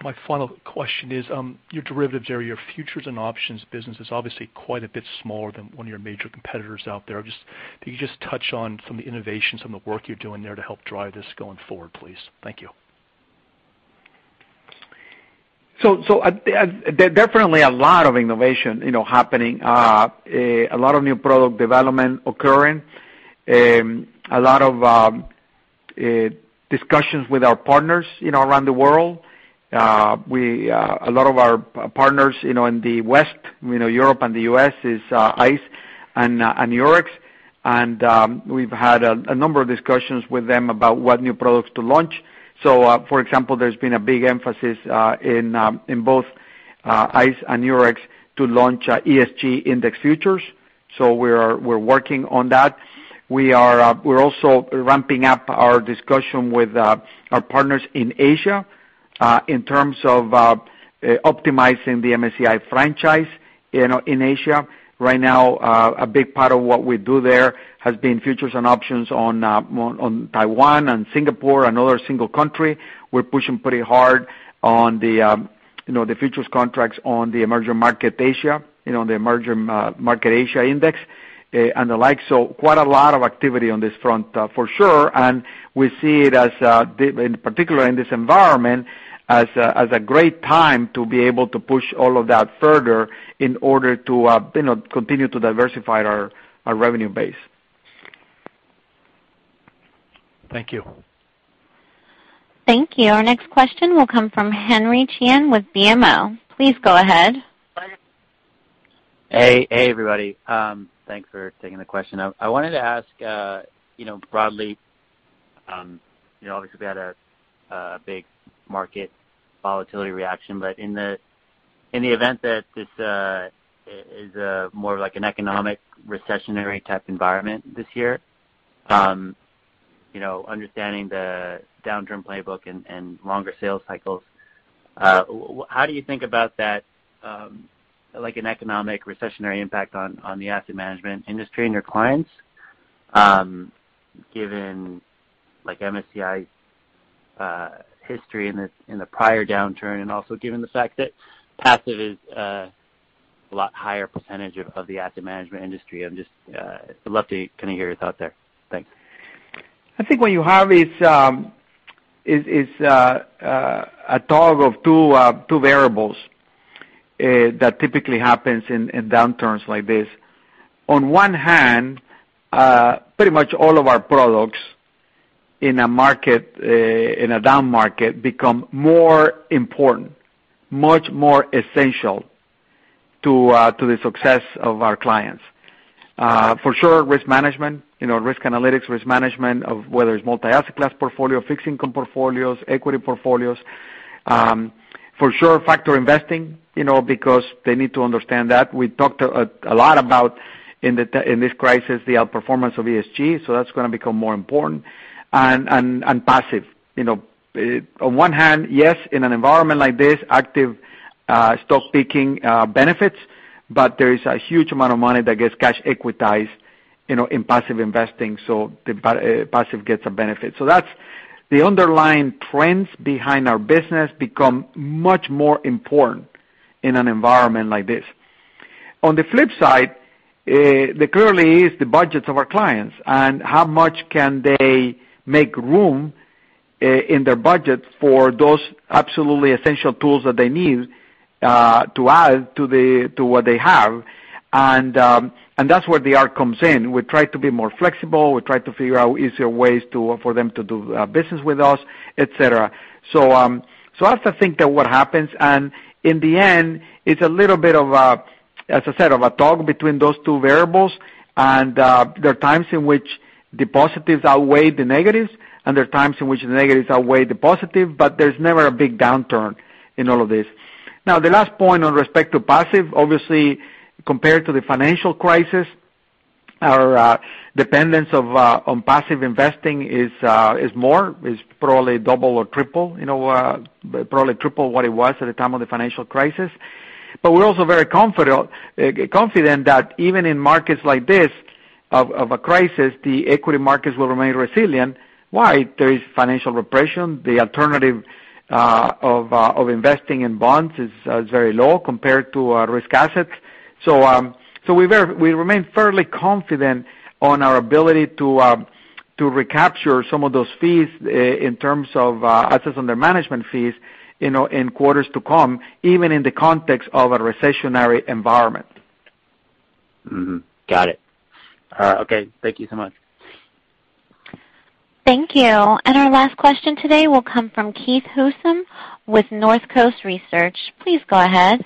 My final question is, your derivatives or your futures and options business is obviously quite a bit smaller than one of your major competitors out there. Can you just touch on some of the innovations, some of the work you're doing there to help drive this going forward, please? Thank you. Definitely a lot of innovation happening. A lot of new product development occurring. A lot of discussions with our partners around the world. A lot of our partners in the West, Europe and the U.S. is ICE and Eurex, and we've had a number of discussions with them about what new products to launch. For example, there's been a big emphasis in both ICE and Eurex to launch ESG index futures. We're working on that. We're also ramping up our discussion with our partners in Asia in terms of optimizing the MSCI franchise in Asia. Right now, a big part of what we do there has been futures and options on Taiwan and Singapore and other single country. We're pushing pretty hard on the futures contracts on the emerging market Asia, the emerging market Asia index, and the like. Quite a lot of activity on this front for sure, and we see it as, in particular in this environment, as a great time to be able to push all of that further in order to continue to diversify our revenue base. Thank you. Thank you. Our next question will come from Henry Chien with BMO. Please go ahead. Hey, everybody. Thanks for taking the question. I wanted to ask, broadly, obviously we had a big market volatility reaction. In the event that this is more of an economic recessionary type environment this year, understanding the downturn playbook and longer sales cycles, how do you think about that, like an economic recessionary impact on the asset management industry and your clients, given MSCI's history in the prior downturn and also given the fact that passive is a lot higher percentage of the asset management industry. I'd love to kind of hear your thoughts there. Thanks. I think what you have is a tug of two variables that typically happens in downturns like this. On one hand, pretty much all of our products in a down market become more important, much more essential to the success of our clients. For sure, risk management, risk analytics, risk management of whether it's multi-asset class portfolio, fixed income portfolios, equity portfolios. For sure factor investing, because they need to understand that. We talked a lot about in this crisis, the outperformance of ESG, so that's going to become more important, and passive. On one hand, yes, in an environment like this, active stock picking benefits, but there is a huge amount of money that gets cash equitized in passive investing, so the passive gets a benefit. The underlying trends behind our business become much more important in an environment like this. On the flip side, there clearly is the budgets of our clients and how much can they make room in their budget for those absolutely essential tools that they need to add to what they have, and that's where the art comes in. We try to be more flexible. We try to figure out easier ways for them to do business with us, et cetera. That's I think what happens, and in the end, it's a little bit of a, as I said, of a tug between those two variables and there are times in which the positives outweigh the negatives and there are times in which the negatives outweigh the positive, but there's never a big downturn in all of this. The last point on respect to passive, obviously compared to the financial crisis, our dependence on passive investing is more, is probably double or triple, probably triple what it was at the time of the financial crisis. We're also very confident that even in markets like this of a crisis, the equity markets will remain resilient. Why? There is financial repression. The alternative of investing in bonds is very low compared to risk assets. We remain fairly confident on our ability to recapture some of those fees in terms of assets under management fees, in quarters to come, even in the context of a recessionary environment. Mm-hmm. Got it. All right. Okay, thank you so much. Thank you. Our last question today will come from Keith Housum with Northcoast Research. Please go ahead.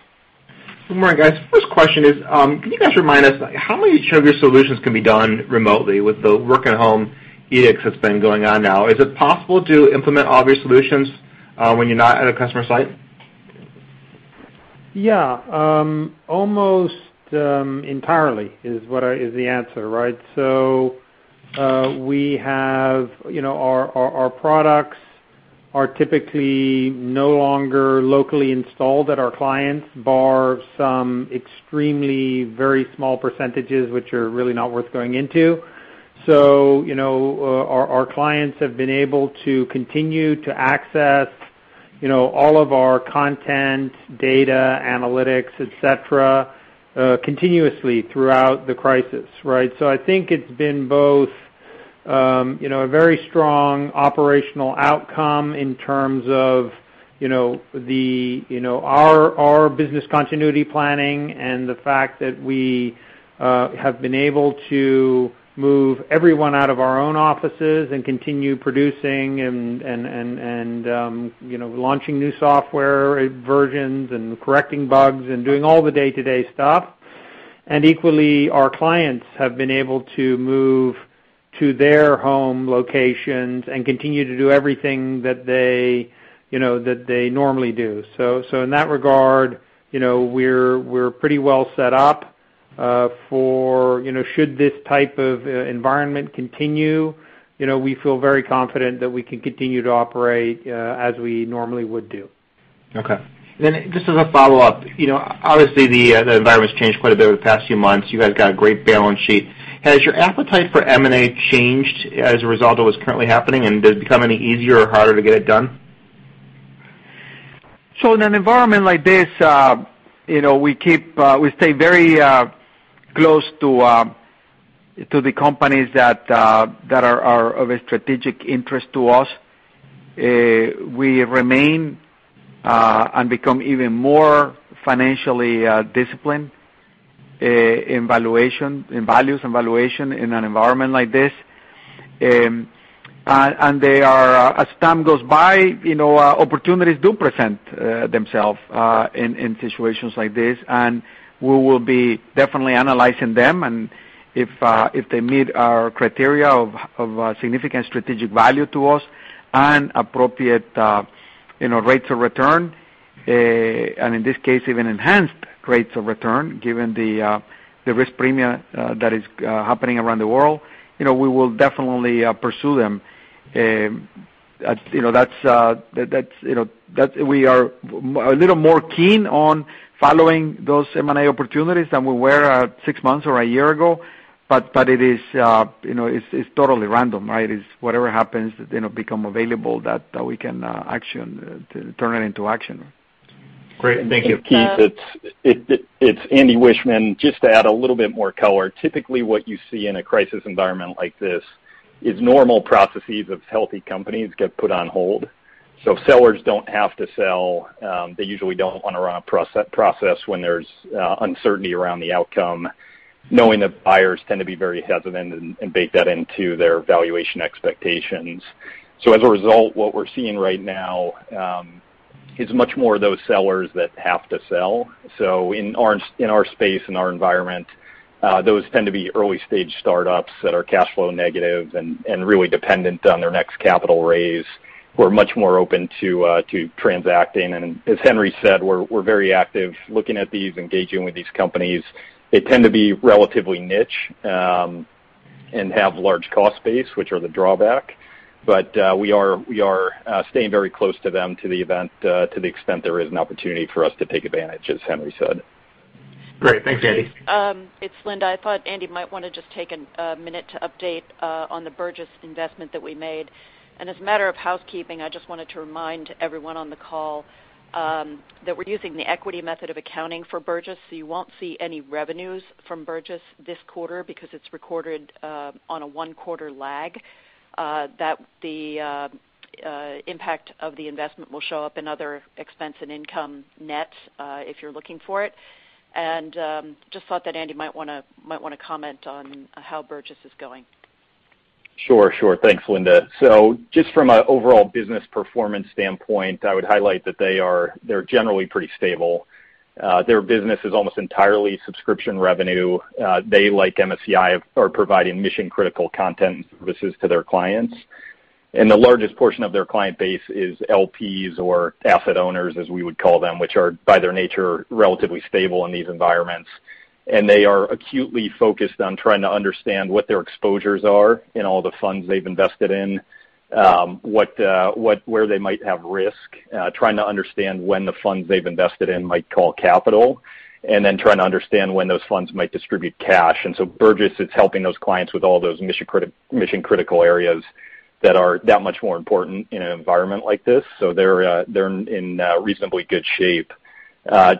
Good morning, guys. First question is, can you guys remind us how many of your solutions can be done remotely with the work at home edicts that's been going on now? Is it possible to implement all of your solutions when you're not at a customer site? Yeah. Almost entirely is the answer, right? Our products are typically no longer locally installed at our clients, bar some extremely very small percentages, which are really not worth going into. Our clients have been able to continue to access all of our content, data, analytics, et cetera, continuously throughout the crisis, right? I think it's been both a very strong operational outcome in terms of our business continuity planning and the fact that we have been able to move everyone out of our own offices and continue producing and launching new software versions and correcting bugs and doing all the day-to-day stuff. Equally, our clients have been able to move to their home locations and continue to do everything that they normally do. In that regard, we're pretty well set up for should this type of environment continue, we feel very confident that we can continue to operate as we normally would do. Okay. Just as a follow-up, obviously the environment's changed quite a bit over the past few months. You guys got a great balance sheet. Has your appetite for M&A changed as a result of what's currently happening, and does it become any easier or harder to get it done? In an environment like this, we stay very close to the companies that are of a strategic interest to us. We remain, and become even more financially disciplined in values and valuation in an environment like this. As time goes by, opportunities do present themselves in situations like this, and we will be definitely analyzing them. If they meet our criteria of significant strategic value to us and appropriate rates of return, and in this case, even enhanced rates of return, given the risk premia that is happening around the world, we will definitely pursue them. We are a little more keen on following those M&A opportunities than we were six months or a year ago, but it's totally random, right? It's whatever happens that become available that we can turn it into action. Great. Thank you. Keith, it's Andy Wiechmann. Just to add a little bit more color. Typically, what you see in a crisis environment like this is normal processes of healthy companies get put on hold. Sellers don't have to sell. They usually don't want to run a process when there's uncertainty around the outcome, knowing that buyers tend to be very hesitant and bake that into their valuation expectations. As a result, what we're seeing right now is much more of those sellers that have to sell. In our space, in our environment, those tend to be early-stage startups that are cash flow negative and really dependent on their next capital raise, who are much more open to transacting. As Henry said, we're very active looking at these, engaging with these companies. They tend to be relatively niche, and have large cost base, which are the drawback. We are staying very close to them to the extent there is an opportunity for us to take advantage, as Henry said. Great. Thanks, Andy. It's Linda. I thought Andy might want to just take a minute to update on the Burgiss investment that we made. As a matter of housekeeping, I just wanted to remind everyone on the call that we're using the equity method of accounting for Burgiss. You won't see any revenues from Burgiss this quarter because it's recorded on a one-quarter lag, that the impact of the investment will show up in other expense and income nets, if you're looking for it. I just thought that Andy might want to comment on how Burgiss is going. Sure. Thanks, Linda. Just from a overall business performance standpoint, I would highlight that they're generally pretty stable. Their business is almost entirely subscription revenue. They, like MSCI, are providing mission-critical content services to their clients. The largest portion of their client base is LPs or asset owners, as we would call them, which are, by their nature, relatively stable in these environments. They are acutely focused on trying to understand what their exposures are in all the funds they've invested in, where they might have risk, trying to understand when the funds they've invested in might call capital, and then trying to understand when those funds might distribute cash. Burgiss is helping those clients with all those mission-critical areas that are that much more important in an environment like this. They're in reasonably good shape.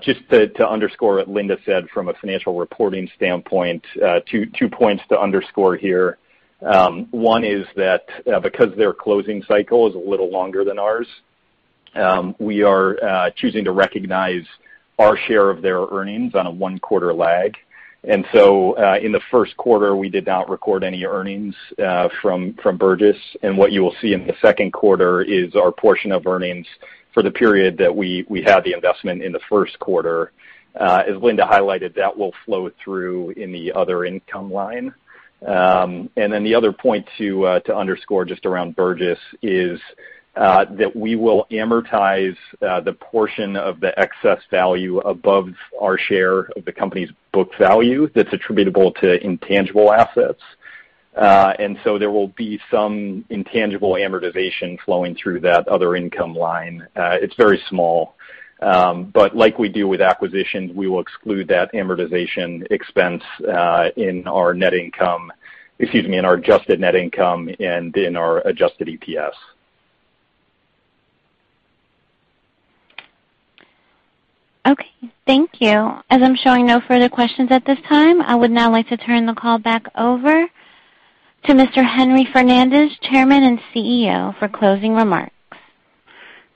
Just to underscore what Linda said from a financial reporting standpoint, two points to underscore here. One is that because their closing cycle is a little longer than ours, we are choosing to recognize our share of their earnings on a one-quarter lag. In the first quarter, we did not record any earnings from Burgiss. What you will see in the second quarter is our portion of earnings for the period that we had the investment in the first quarter. As Linda highlighted, that will flow through in the other income line. The other point to underscore just around Burgiss is that we will amortize the portion of the excess value above our share of the company's book value that's attributable to intangible assets. There will be some intangible amortization flowing through that other income line. It's very small. Like we do with acquisitions, we will exclude that amortization expense in our net income, excuse me, in our adjusted net income and in our adjusted EPS. Okay. Thank you. As I'm showing no further questions at this time, I would now like to turn the call back over to Mr. Henry Fernandez, Chairman and CEO, for closing remarks.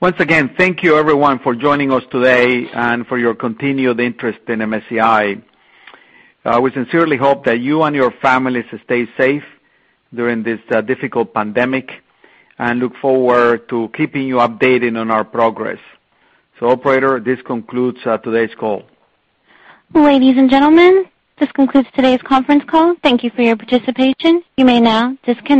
Once again, thank you everyone for joining us today and for your continued interest in MSCI. We sincerely hope that you and your families stay safe during this difficult pandemic and look forward to keeping you updated on our progress. Operator, this concludes today's call. Ladies and gentlemen, this concludes today's conference call. Thank you for your participation. You may now disconnect.